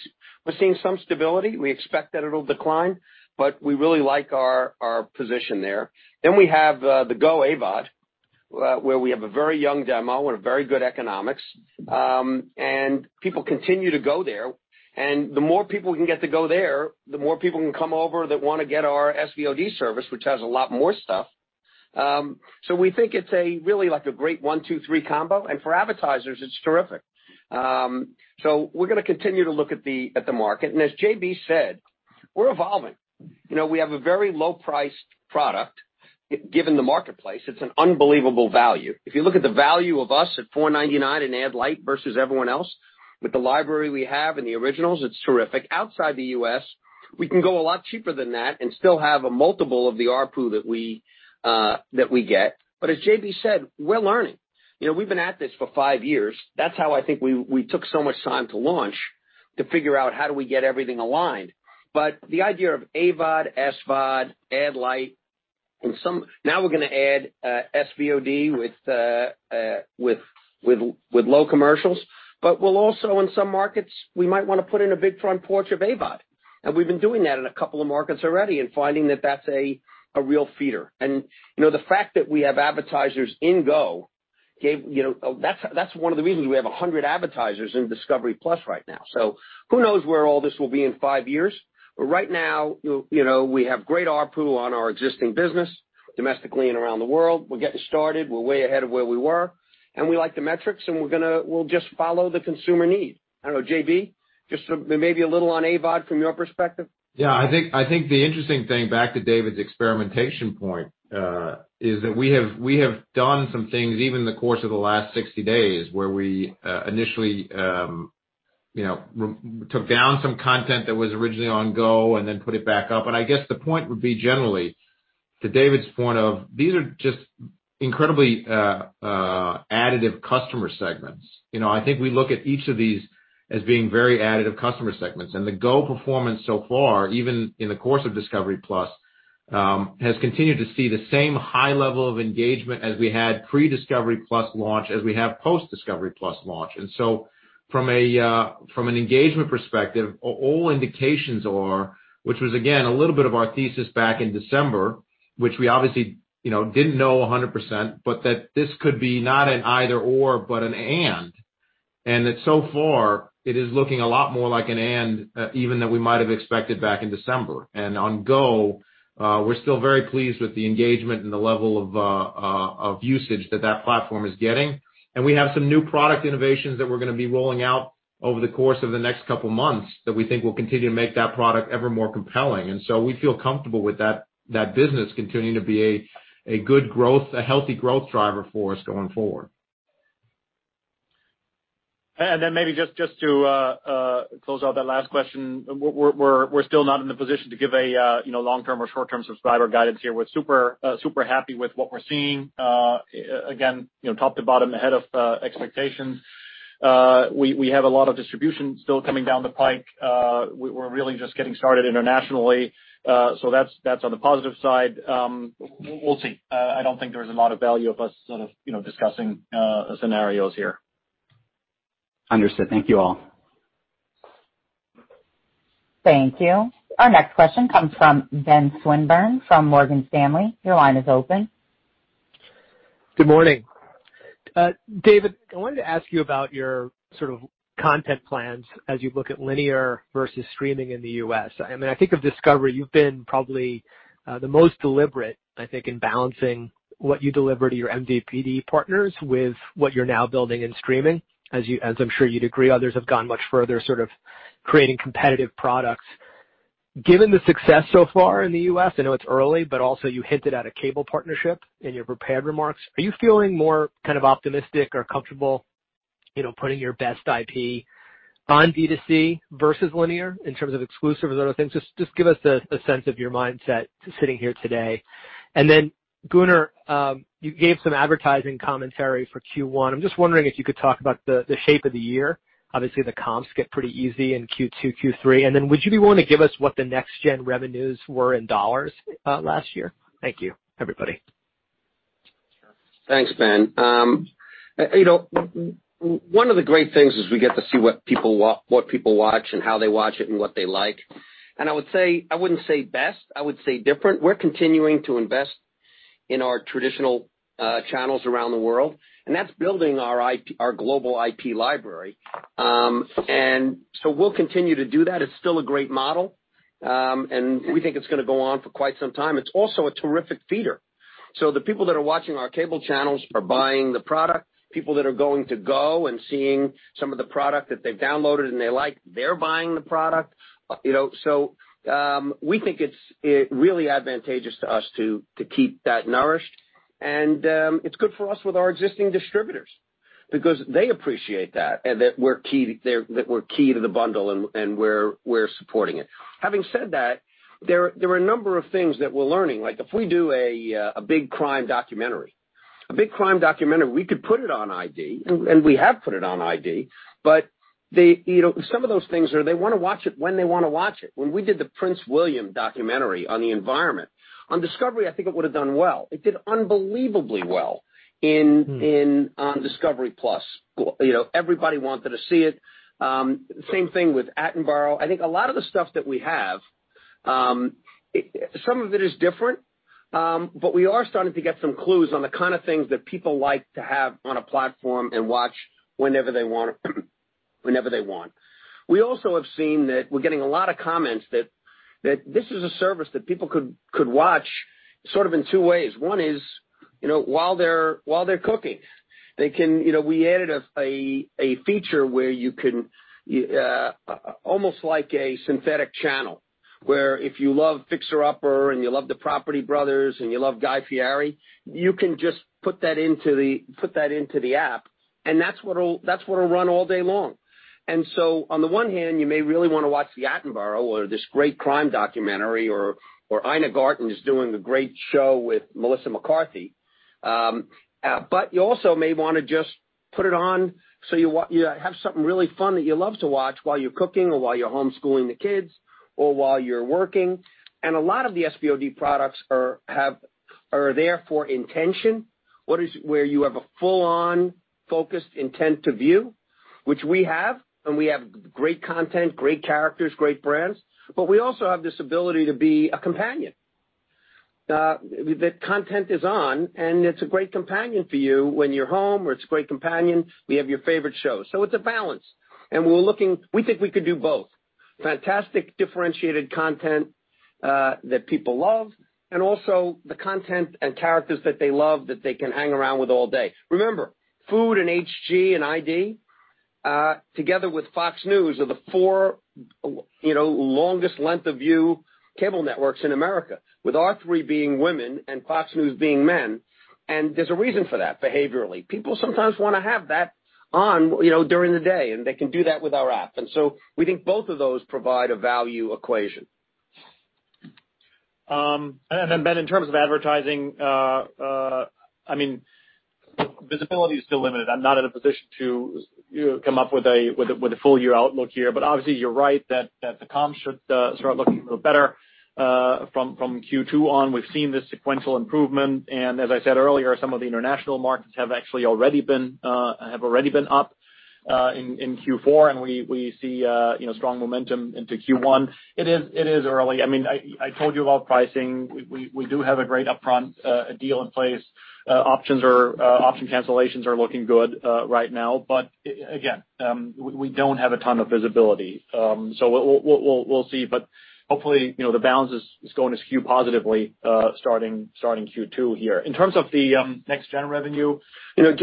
seeing some stability. We expect that it'll decline, but we really like our position there. We have the GO AVOD, where we have a very young demo with very good economics. People continue to go there. The more people can get to go there, the more people can come over that want to get our SVOD service, which has a lot more stuff. We think it's really a great one, two, three combo. For advertisers, it's terrific. We're going to continue to look at the market. As JB said, we're evolving. We have a very low-priced product. Given the marketplace, it's an unbelievable value. If you look at the value of us at $4.99 in ad light versus everyone else, with the library we have and the originals, it's terrific. Outside the U.S., we can go a lot cheaper than that and still have a multiple of the ARPU that we get. As JB said, we're learning. We've been at this for five years. That's how I think we took so much time to launch to figure out how do we get everything aligned. The idea of AVOD, SVOD, ad light, now we're going to add SVOD with low commercials, but we'll also in some markets, we might want to put in a big front porch of AVOD. We've been doing that in a couple of markets already and finding that that's a real feeder. The fact that we have advertisers in GO, that's one of the reasons we have 100 advertisers in Discovery+ right now. Who knows where all this will be in five years. Right now, we have great ARPU on our existing business. Domestically and around the world, we're getting started. We're way ahead of where we were, and we like the metrics, and we'll just follow the consumer need. I don't know, JB, just maybe a little on AVOD from your perspective. Yeah. I think the interesting thing, back to David's experimentation point, is that we have done some things, even in the course of the last 60 days, where we initially took down some content that was originally on GO and then put it back up. I guess the point would be generally, to David's point of, these are just incredibly additive customer segments. I think we look at each of these as being very additive customer segments. The GO performance so far, even in the course of Discovery+, has continued to see the same high level of engagement as we had pre-Discovery+ launch as we have post-Discovery+ launch. From an engagement perspective, all indications are, which was again, a little bit of our thesis back in December, which we obviously didn't know 100%, but that this could be not an either/or, but an and. That so far it is looking a lot more like an and even than we might have expected back in December. On GO, we're still very pleased with the engagement and the level of usage that that platform is getting. We have some new product innovations that we're going to be rolling out over the course of the next couple of months that we think will continue to make that product ever more compelling. We feel comfortable with that business continuing to be a good growth, a healthy growth driver for us going forward. Maybe just to close out that last question, we're still not in the position to give a long-term or short-term subscriber guidance here. We're super happy with what we're seeing. Again, top to bottom ahead of expectations. We have a lot of distribution still coming down the pipe. We're really just getting started internationally. That's on the positive side. We'll see. I don't think there's a lot of value of us sort of discussing scenarios here. Understood. Thank you all. Thank you. Our next question comes from Ben Swinburne from Morgan Stanley. Your line is open. Good morning. David, I wanted to ask you about your sort of content plans as you look at linear versus streaming in the U.S. I mean, I think of Discovery, you've been probably the most deliberate, I think, in balancing what you deliver to your MVPD partners with what you're now building in streaming. As I'm sure you'd agree, others have gone much further sort of creating competitive products. Given the success so far in the U.S., I know it's early, but also you hinted at a cable partnership in your prepared remarks. Are you feeling more kind of optimistic or comfortable putting your best IP on D2C versus linear in terms of exclusives, other things? Just give us a sense of your mindset sitting here today. Gunnar, you gave some advertising commentary for Q1. I'm just wondering if you could talk about the shape of the year. Obviously, the comps get pretty easy in Q2, Q3. Would you be willing to give us what the next gen revenues were in $ last year? Thank you, everybody. Thanks, Ben. One of the great things is we get to see what people watch and how they watch it and what they like. I wouldn't say best, I would say different. We're continuing to invest in our traditional channels around the world, and that's building our global IP library. We'll continue to do that. It's still a great model, and we think it's going to go on for quite some time. It's also a terrific feeder. The people that are watching our cable channels are buying the product. People that are going to GO and seeing some of the product that they've downloaded and they like, they're buying the product. We think it's really advantageous to us to keep that nourished. It's good for us with our existing distributors because they appreciate that, and that we're key to the bundle and we're supporting it. Having said that, there are a number of things that we're learning, like if we do a big crime documentary. A big crime documentary, we could put it on ID, and we have put it on ID. Some of those things are, they want to watch it when they want to watch it. When we did the Prince William documentary on the environment, on Discovery, I think it would've done well. It did unbelievably well on Discovery+. Everybody wanted to see it. Same thing with Attenborough. I think a lot of the stuff that we have, some of it is different, but we are starting to get some clues on the kind of things that people like to have on a platform and watch whenever they want. We also have seen that we're getting a lot of comments that this is a service that people could watch sort of in two ways. One is while they're cooking. We added a feature where you can, almost like a synthetic channel, where if you love Fixer Upper and you love the Property Brothers and you love Guy Fieri, you can just put that into the app, and that's what'll run all day long. On the one hand, you may really want to watch the Attenborough or this great crime documentary or Ina Garten is doing a great show with Melissa McCarthy. You also may want to just put it on so you have something really fun that you love to watch while you're cooking or while you're homeschooling the kids or while you're working. A lot of the SVOD products are there for intention, where you have a full on focused intent to view, which we have, and we have great content, great characters, great brands, but we also have this ability to be a companion. The content is on, and it's a great companion for you when you're home, or it's a great companion. We have your favorite show. It's a balance. We think we could do both, fantastic differentiated content that people love, and also the content and characters that they love that they can hang around with all day. Remember, Food and HG and ID, together with Fox News, are the four longest length of view cable networks in America, with our three being women and Fox News being men. There's a reason for that, behaviorally. People sometimes want to have that on during the day, and they can do that with our app. We think both of those provide a value equation. Ben, in terms of advertising, visibility is still limited. I'm not in a position to come up with a full-year outlook here. Obviously you're right that the comps should start looking a little better from Q2 on. We've seen the sequential improvement, and as I said earlier, some of the international markets have actually already been up in Q4 and we see strong momentum into Q1. It is early. I told you about pricing. We do have a great upfront deal in place. Option cancellations are looking good right now, but again, we don't have a ton of visibility. We'll see. Hopefully, the balance is going to skew positively starting Q2 here. In terms of the next gen revenue. We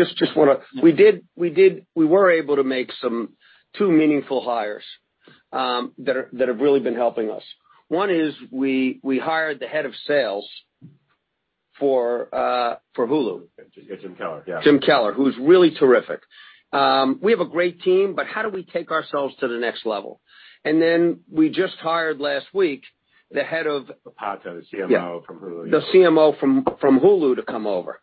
were able to make two meaningful hires that have really been helping us. One is we hired the head of sales for Hulu. Jim Keller, yeah. Jim Keller, who's really terrific. We have a great team, but how do we take ourselves to the next level? We just hired last week the head of- Pato, the CMO from Hulu. Yeah. The CMO from Hulu to come over.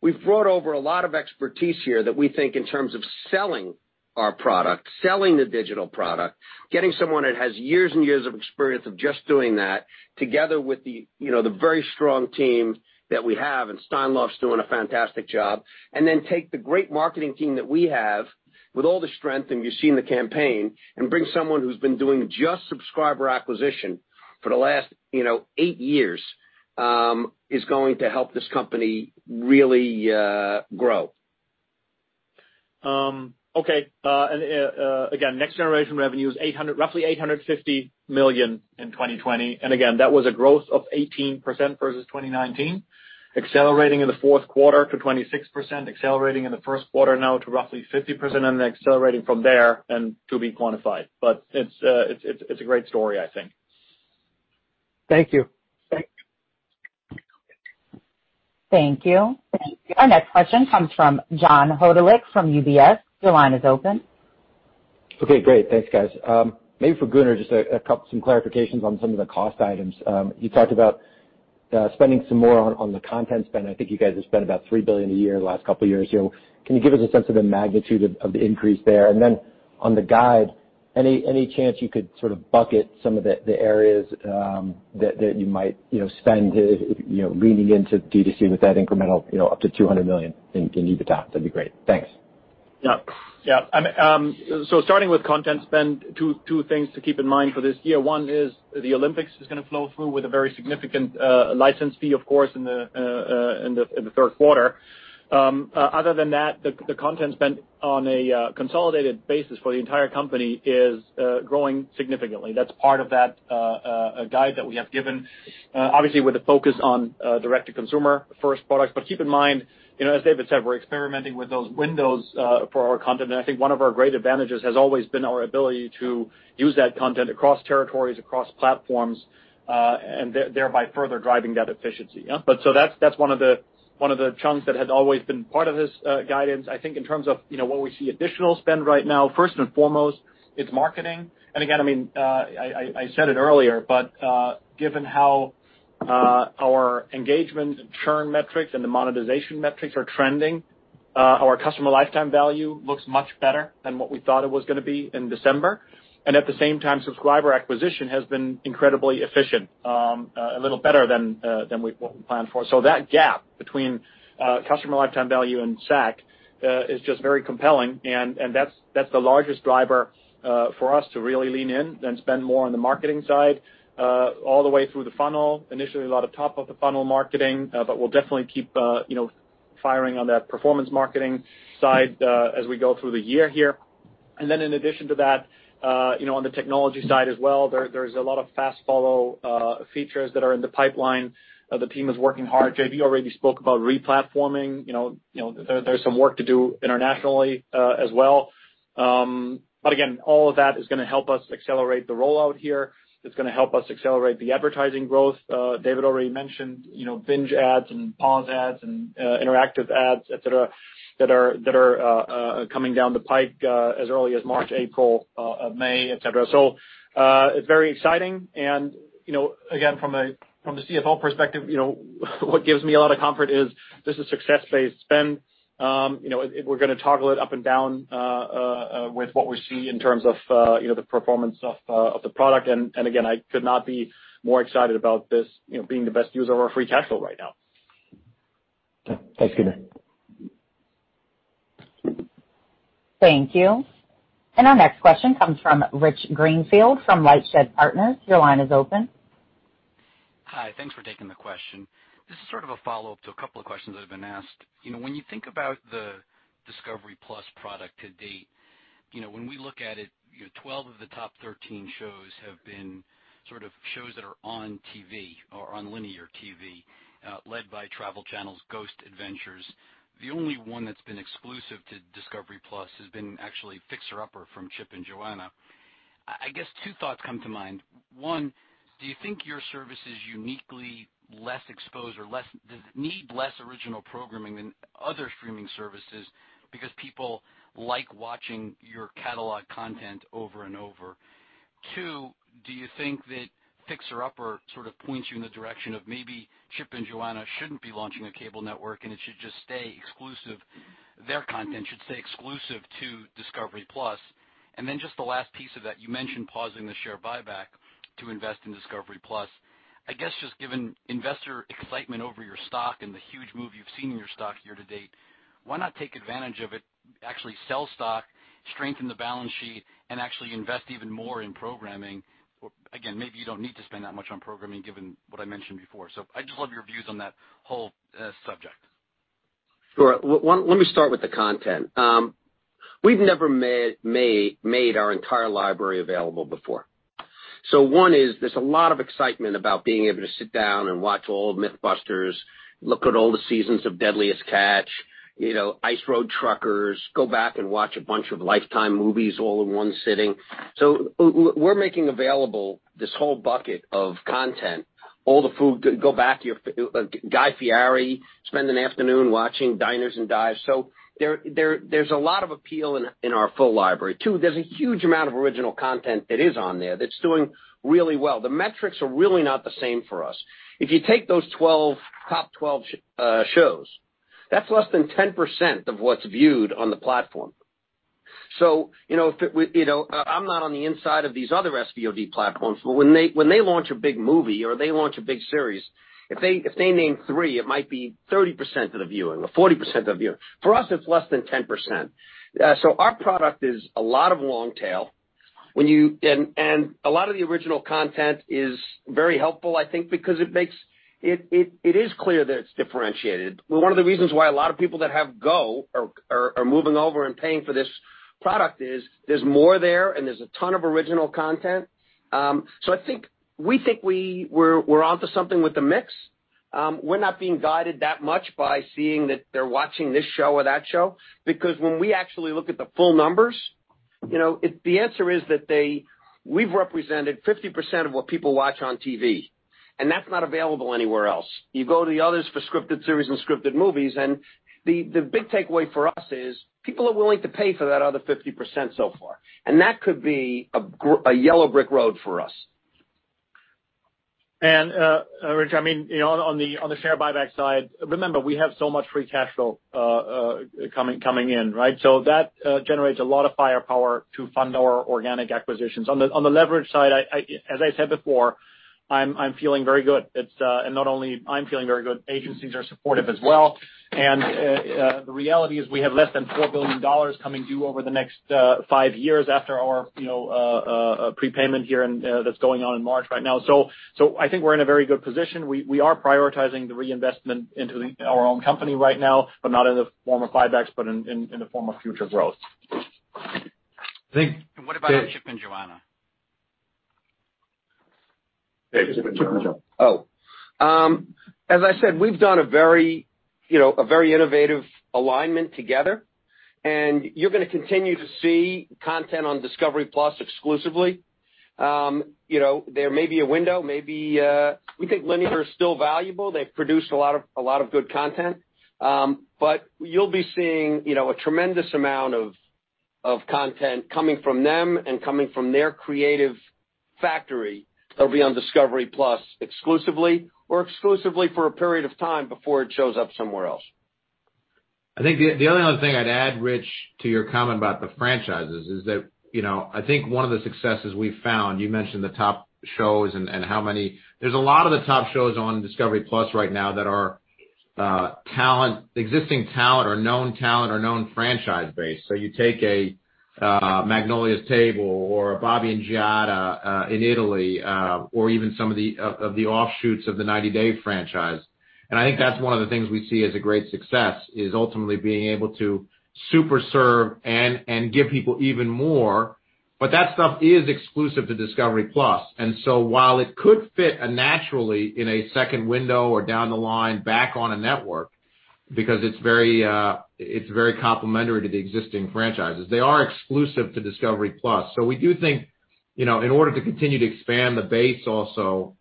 We've brought over a lot of expertise here that we think in terms of selling our product, selling the digital product. Getting someone that has years and years of experience of just doing that together with the very strong team that we have, and Steinlauf's doing a fantastic job. Take the great marketing team that we have with all the strength, and you've seen the campaign, and bring someone who's been doing just subscriber acquisition for the last eight years, is going to help this company really grow. Okay. Again, next generation revenue is roughly $850 million in 2020. Again, that was a growth of 18% versus 2019, accelerating in the fourth quarter to 26%, accelerating in the first quarter now to roughly 50%, and then accelerating from there, and to be quantified. It's a great story, I think. Thank you. Thanks. Thank you. Our next question comes from John Hodulik from UBS. Your line is open. Okay, great. Thanks, guys. Maybe for Gunnar, just some clarifications on some of the cost items. You talked about spending some more on the content spend. I think you guys have spent about $3 billion a year the last couple of years here. Can you give us a sense of the magnitude of the increase there? Then on the guide, any chance you could sort of bucket some of the areas that you might spend leaning into D2C with that incremental up to $200 million in EBITDA? That'd be great. Thanks. Starting with content spend, two things to keep in mind for this year. One is the Olympics is going to flow through with a very significant license fee, of course, in the third quarter. Other than that, the content spend on a consolidated basis for the entire company is growing significantly. That's part of that guide that we have given. Obviously, with a focus on direct-to-consumer first products. Keep in mind, as David said, we're experimenting with those windows for our content. I think one of our great advantages has always been our ability to use that content across territories, across platforms, and thereby further driving that efficiency. That's one of the chunks that has always been part of this guidance. I think in terms of what we see additional spend right now, first and foremost, it's marketing. Again, I said it earlier, but given how our engagement and churn metrics and the monetization metrics are trending, our customer lifetime value looks much better than what we thought it was going to be in December. At the same time, subscriber acquisition has been incredibly efficient. A little better than what we planned for. That gap between customer lifetime value and SAC is just very compelling, and that's the largest driver for us to really lean in and spend more on the marketing side all the way through the funnel. Initially, a lot of top of the funnel marketing, but we'll definitely keep firing on that performance marketing side as we go through the year here. Then in addition to that, on the technology side as well, there is a lot of fast follow features that are in the pipeline. The team is working hard. JB already spoke about re-platforming. There's some work to do internationally as well. Again, all of that is going to help us accelerate the rollout here. It's going to help us accelerate the advertising growth. David already mentioned binge ads and pause ads and interactive ads, et cetera, that are coming down the pipe as early as March, April, May, et cetera. It's very exciting. Again, from the CFO perspective, what gives me a lot of comfort is this is success-based spend. We're going to toggle it up and down with what we see in terms of the performance of the product. Again, I could not be more excited about this being the best use of our free cash flow right now. Okay. Thanks, Gunnar. Thank you. Our next question comes from Rich Greenfield from LightShed Partners. Your line is open. Hi, thanks for taking the question. This is sort of a follow-up to a couple of questions that have been asked. When you think about the Discovery+ product to date, when we look at it, 12 of the top 13 shows have been shows that are on TV or on linear TV, led by Travel Channel's Ghost Adventures. The only one that's been exclusive to Discovery+ has been actually Fixer Upper from Chip and Joanna. I guess two thoughts come to mind. One, do you think your service is uniquely less exposed or need less original programming than other streaming services because people like watching your catalog content over and over? Two, do you think that Fixer Upper sort of points you in the direction of maybe Chip and Joanna shouldn't be launching a cable network, and their content should stay exclusive to Discovery+? Just the last piece of that, you mentioned pausing the share buyback to invest in Discovery+. I guess, just given investor excitement over your stock and the huge move you've seen in your stock year to date, why not take advantage of it, actually sell stock, strengthen the balance sheet, and actually invest even more in programming? Again, maybe you don't need to spend that much on programming given what I mentioned before. I'd just love your views on that whole subject. Let me start with the content. We've never made our entire library available before. One is, there's a lot of excitement about being able to sit down and watch old MythBusters, look at all the seasons of Deadliest Catch, Ice Road Truckers. Go back and watch a bunch of Lifetime movies all in one sitting. We're making available this whole bucket of content. Go back, Guy Fieri, spend an afternoon watching Diners, Drive-Ins and Dives. There's a lot of appeal in our full library. Two, there's a huge amount of original content that is on there that's doing really well. The metrics are really not the same for us. If you take those top 12 shows, that's less than 10% of what's viewed on the platform. I'm not on the inside of these other SVOD platforms, but when they launch a big movie or they launch a big series, if they name three, it might be 30% of the viewing or 40% of viewing. For us, it's less than 10%. Our product is a lot of long tail, and a lot of the original content is very helpful, I think, because it is clear that it's differentiated. One of the reasons why a lot of people that have GO are moving over and paying for this product is there's more there and there's a ton of original content. We think we're onto something with the mix. We're not being guided that much by seeing that they're watching this show or that show, because when we actually look at the full numbers, the answer is that we've represented 50% of what people watch on TV, and that's not available anywhere else. You go to the others for scripted series and scripted movies, and the big takeaway for us is people are willing to pay for that other 50% so far, and that could be a yellow brick road for us. Rich, on the share buyback side, remember, we have so much free cash flow coming in. That generates a lot of firepower to fund our organic acquisitions. On the leverage side, as I said before, I'm feeling very good. Not only I'm feeling very good, agencies are supportive as well. The reality is we have less than $4 billion coming due over the next five years after our prepayment here that's going on in March right now. I think we're in a very good position. We are prioritizing the reinvestment into our own company right now, but not in the form of buybacks, but in the form of future growth. What about Chip and Joanna? Oh. As I said, we've done a very innovative alignment together, and you're going to continue to see content on Discovery+ exclusively. There may be a window. We think linear is still valuable. They've produced a lot of good content. You'll be seeing a tremendous amount of content coming from them and coming from their creative factory that'll be on Discovery+ exclusively or exclusively for a period of time before it shows up somewhere else. I think the only other thing I'd add, Rich, to your comment about the franchises is that I think one of the successes we've found, you mentioned the top shows and how many. There's a lot of the top shows on Discovery+ right now that are existing talent or known talent or known franchise base. You take a Magnolia Table or a Bobby and Giada in Italy, or even some of the offshoots of the 90 Day franchise. I think that's one of the things we see as a great success is ultimately being able to super serve and give people even more. That stuff is exclusive to Discovery+. While it could fit naturally in a second window or down the line back on a network, because it's very complementary to the existing franchises. They are exclusive to Discovery+. We do think in order to continue to expand the base also,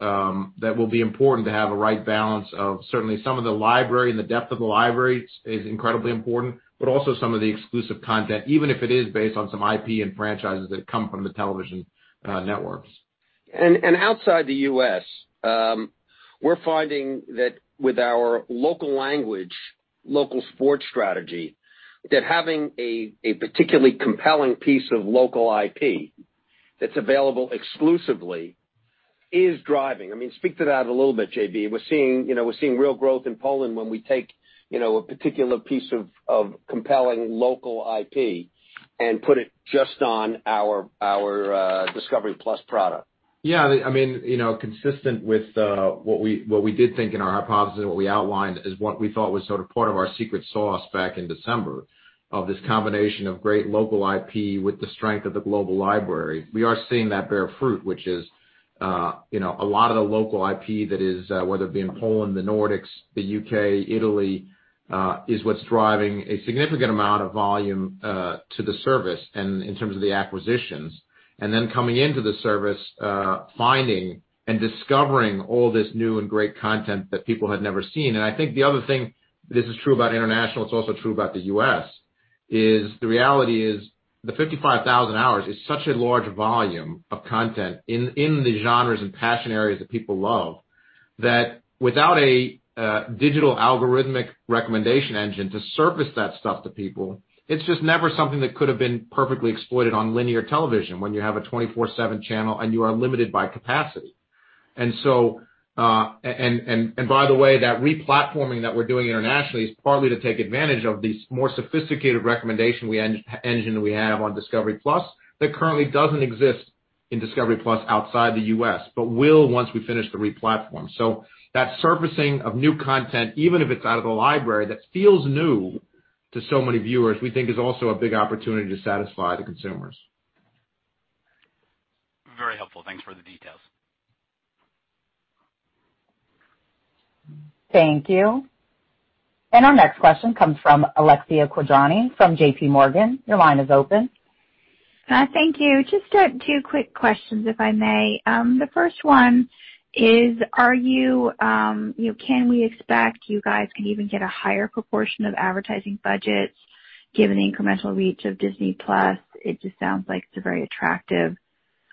that will be important to have a right balance of certainly some of the library and the depth of the library is incredibly important, but also some of the exclusive content, even if it is based on some IP and franchises that come from the television networks. Outside the U.S., we're finding that with our local language, local sports strategy, that having a particularly compelling piece of local IP that's available exclusively is driving. Speak to that a little bit, JB We're seeing real growth in Poland when we take a particular piece of compelling local IP and put it just on our Discovery+ product. Yeah. Consistent with what we did think in our hypothesis and what we outlined is what we thought was sort of part of our secret sauce back in December of this combination of great local IP with the strength of the global library. We are seeing that bear fruit, which is a lot of the local IP, whether it be in Poland, the Nordics, the U.K., Italy, is what's driving a significant amount of volume to the service and in terms of the acquisitions. Then coming into the service, finding and discovering all this new and great content that people had never seen. I think the other thing, this is true about international, it is also true about the U.S., is the reality is the 55,000 hours is such a large volume of content in the genres and passion areas that people love, that without a digital algorithmic recommendation engine to surface that stuff to people, it is just never something that could've been perfectly exploited on linear television when you have a 24/7 channel and you are limited by capacity. By the way, that re-platforming that we are doing internationally is partly to take advantage of the more sophisticated recommendation engine that we have on Discovery+ that currently doesn't exist in Discovery+ outside the U.S., but will once we finish the re-platform. That surfacing of new content, even if it is out of the library, that feels new to so many viewers, we think is also a big opportunity to satisfy the consumers. Very helpful. Thanks for the details. Thank you. Our next question comes from Alexia Quadrani from JPMorgan. Your line is open. Thank you. Just two quick questions, if I may. The first one is, can we expect you guys can even get a higher proportion of advertising budgets given the incremental reach of Disney+? It just sounds like it's a very attractive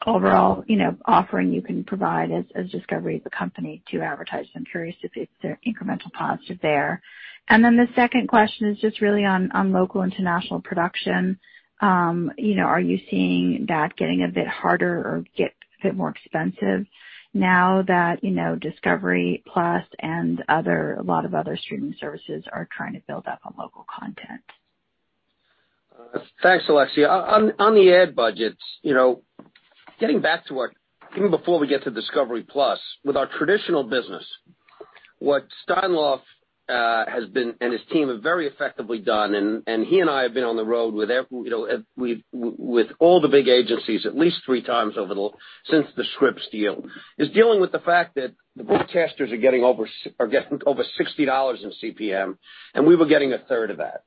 overall offering you can provide as Discovery, the company, to advertise. I'm curious if the incremental paths are there. The second question is just really on local international production. Are you seeing that getting a bit harder or get a bit more expensive now that Discovery+ and a lot of other streaming services are trying to build up on local content? Thanks, Alexia Quadrani. On the ad budgets. Getting back to even before we get to Discovery+, with our traditional business, what Steinlauf and his team have very effectively done, and he and I have been on the road with all the big agencies at least three times since the Scripps deal, is dealing with the fact that the broadcasters are getting over $60 in CPM, and we were getting a third of that.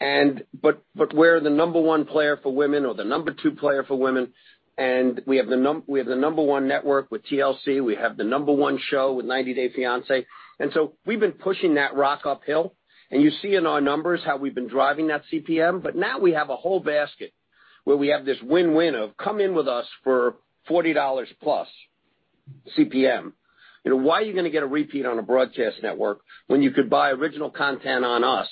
We're the number one player for women or the number two player for women, and we have the number one network with TLC. We have the number one show with "90 Day Fiancé." We've been pushing that rock uphill, and you see in our numbers how we've been driving that CPM, but now we have a whole basket where we have this win-win of come in with us for $40+ CPM. Why are you going to get a repeat on a broadcast network when you could buy original content on us?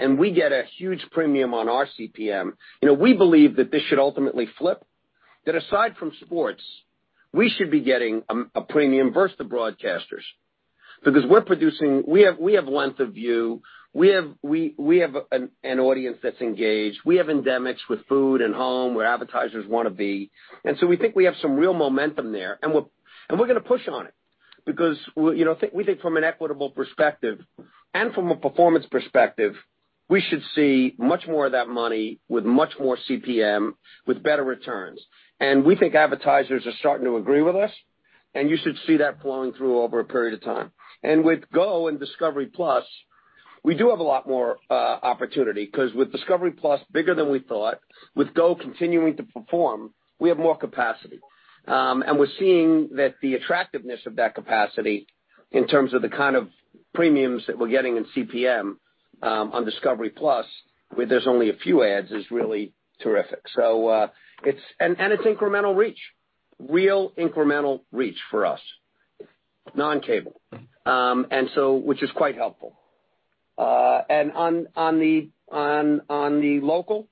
We get a huge premium on our CPM. We believe that this should ultimately flip. That aside from sports, we should be getting a premium versus the broadcasters because we have length of view. We have an audience that's engaged. We have endemics with food and home where advertisers want to be. We think we have some real momentum there, and we're going to push on it because we think from an equitable perspective and from a performance perspective, we should see much more of that money with much more CPM, with better returns. We think advertisers are starting to agree with us, and you should see that flowing through over a period of time. With GO and Discovery+, we do have a lot more opportunity because with Discovery+ bigger than we thought, with GO continuing to perform, we have more capacity. We're seeing that the attractiveness of that capacity in terms of the kind of premiums that we're getting in CPM on Discovery+ where there's only a few ads, is really terrific. It's incremental reach. Real incremental reach for us. Non-cable. Which is quite helpful. On the local,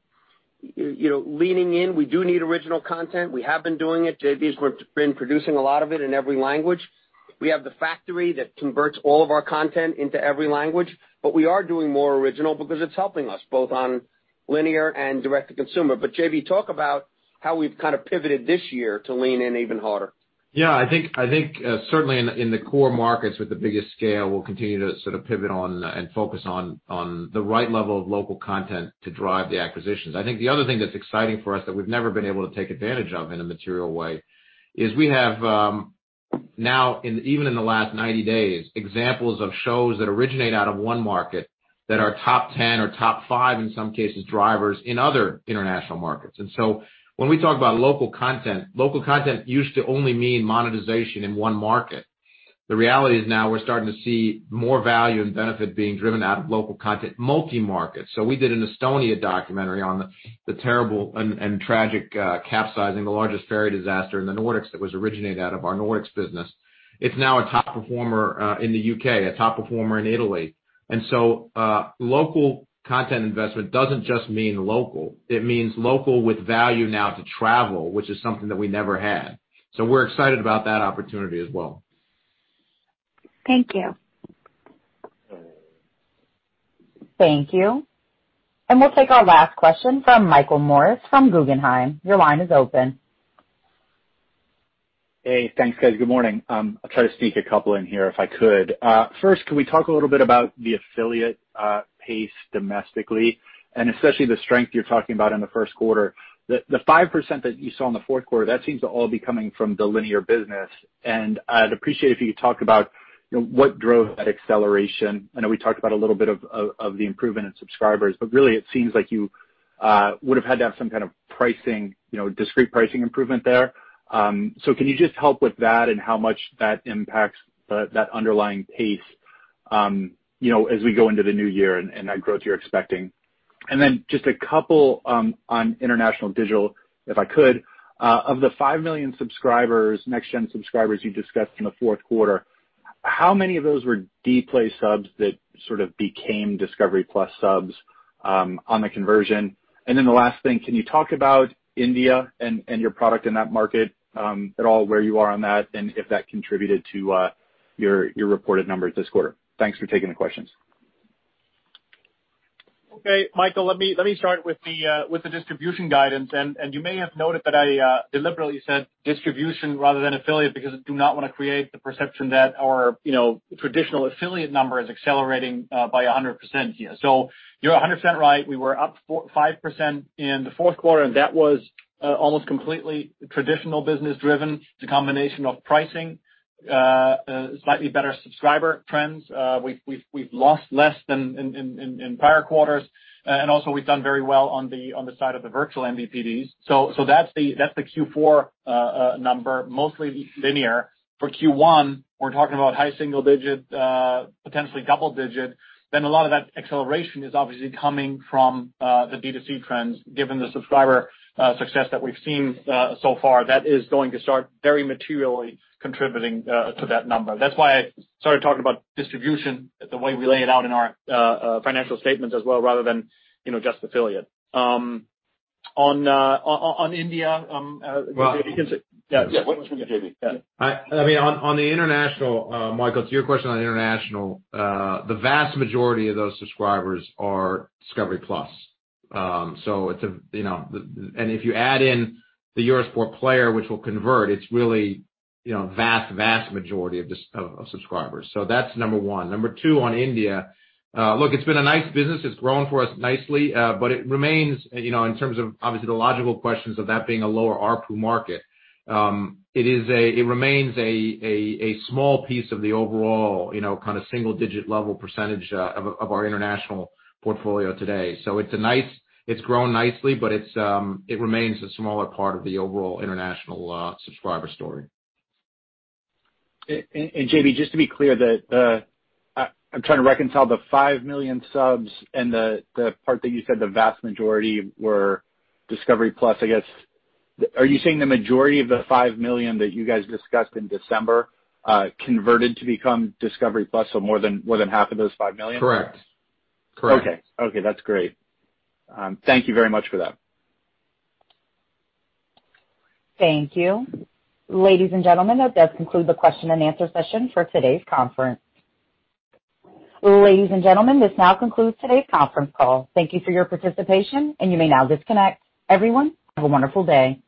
leaning in, we do need original content. We have been doing it. JB's been producing a lot of it in every language. We have the factory that converts all of our content into every language, but we are doing more original because it's helping us, both on linear and direct-to-consumer. JB, talk about how we've kind of pivoted this year to lean in even harder. I think certainly in the core markets with the biggest scale, we'll continue to sort of pivot on and focus on the right level of local content to drive the acquisitions. I think the other thing that's exciting for us that we've never been able to take advantage of in a material way is we have now, even in the last 90 days, examples of shows that originate out of one market that are top 10 or top five, in some cases, drivers in other international markets. When we talk about local content, local content used to only mean monetization in one market. The reality is now we're starting to see more value and benefit being driven out of local content multi-market. We did an Estonia documentary on the terrible and tragic capsizing, the largest ferry disaster in the Nordics that was originated out of our Nordics business. It's now a top performer in the U.K., a top performer in Italy. Local content investment doesn't just mean local. It means local with value now to travel, which is something that we never had. We're excited about that opportunity as well. Thank you. Thank you. We'll take our last question from Michael Morris from Guggenheim. Your line is open. Hey, thanks, guys. Good morning. I'll try to sneak a couple in here if I could. First, can we talk a little bit about the affiliate pace domestically and especially the strength you're talking about in the first quarter? The 5% that you saw in the fourth quarter, that seems to all be coming from the linear business. I'd appreciate if you could talk about what drove that acceleration. I know we talked about a little bit of the improvement in subscribers, but really it seems like you would've had to have some kind of pricing, discrete pricing improvement there. Can you just help with that and how much that impacts that underlying pace as we go into the new year and that growth you're expecting? Just a couple on international digital, if I could. Of the 5 million subscribers, next-gen subscribers you discussed in the fourth quarter, how many of those were Dplay subs that sort of became Discovery+ subs on the conversion? The last thing, can you talk about India and your product in that market at all, where you are on that, and if that contributed to your reported numbers this quarter? Thanks for taking the questions. Okay. Michael, let me start with the distribution guidance. You may have noted that I deliberately said distribution rather than affiliate because I do not want to create the perception that our traditional affiliate number is accelerating by 100% here. You're 100% right. We were up 5% in the fourth quarter and that was almost completely traditional business driven. It's a combination of pricing, slightly better subscriber trends. We've lost less than in prior quarters. Also we've done very well on the side of the virtual MVPDs. That's the Q4 number, mostly linear. For Q1, we're talking about high single digit, potentially double digit. A lot of that acceleration is obviously coming from the D2C trends given the subscriber success that we've seen so far. That is going to start very materially contributing to that number. That's why I started talking about distribution the way we lay it out in our financial statements as well rather than just affiliate. Well- Yeah. Yeah. Why don't you, JB? Yeah. On the international, Michael, to your question on international, the vast majority of those subscribers are Discovery+. If you add in the Eurosport Player, which will convert, it's really vast majority of subscribers. That's number one. Number two, on India, look, it's been a nice business. It's grown for us nicely. It remains, in terms of obviously the logical questions of that being a lower ARPU market, it remains a small piece of the overall kind of single digit level percentage of our international portfolio today. It's grown nicely, but it remains a smaller part of the overall international subscriber story. JB, just to be clear, I'm trying to reconcile the 5 million subs and the part that you said the vast majority were Discovery+. I guess, are you saying the majority of the 5 million that you guys discussed in December converted to become Discovery+, so more than half of those 5 million? Correct. Okay. That's great. Thank you very much for that. Thank you. Ladies and gentlemen, that does conclude the question and answer session for today's conference. Ladies and gentlemen, this now concludes today's conference call. Thank you for your participation, and you may now disconnect. Everyone, have a wonderful day.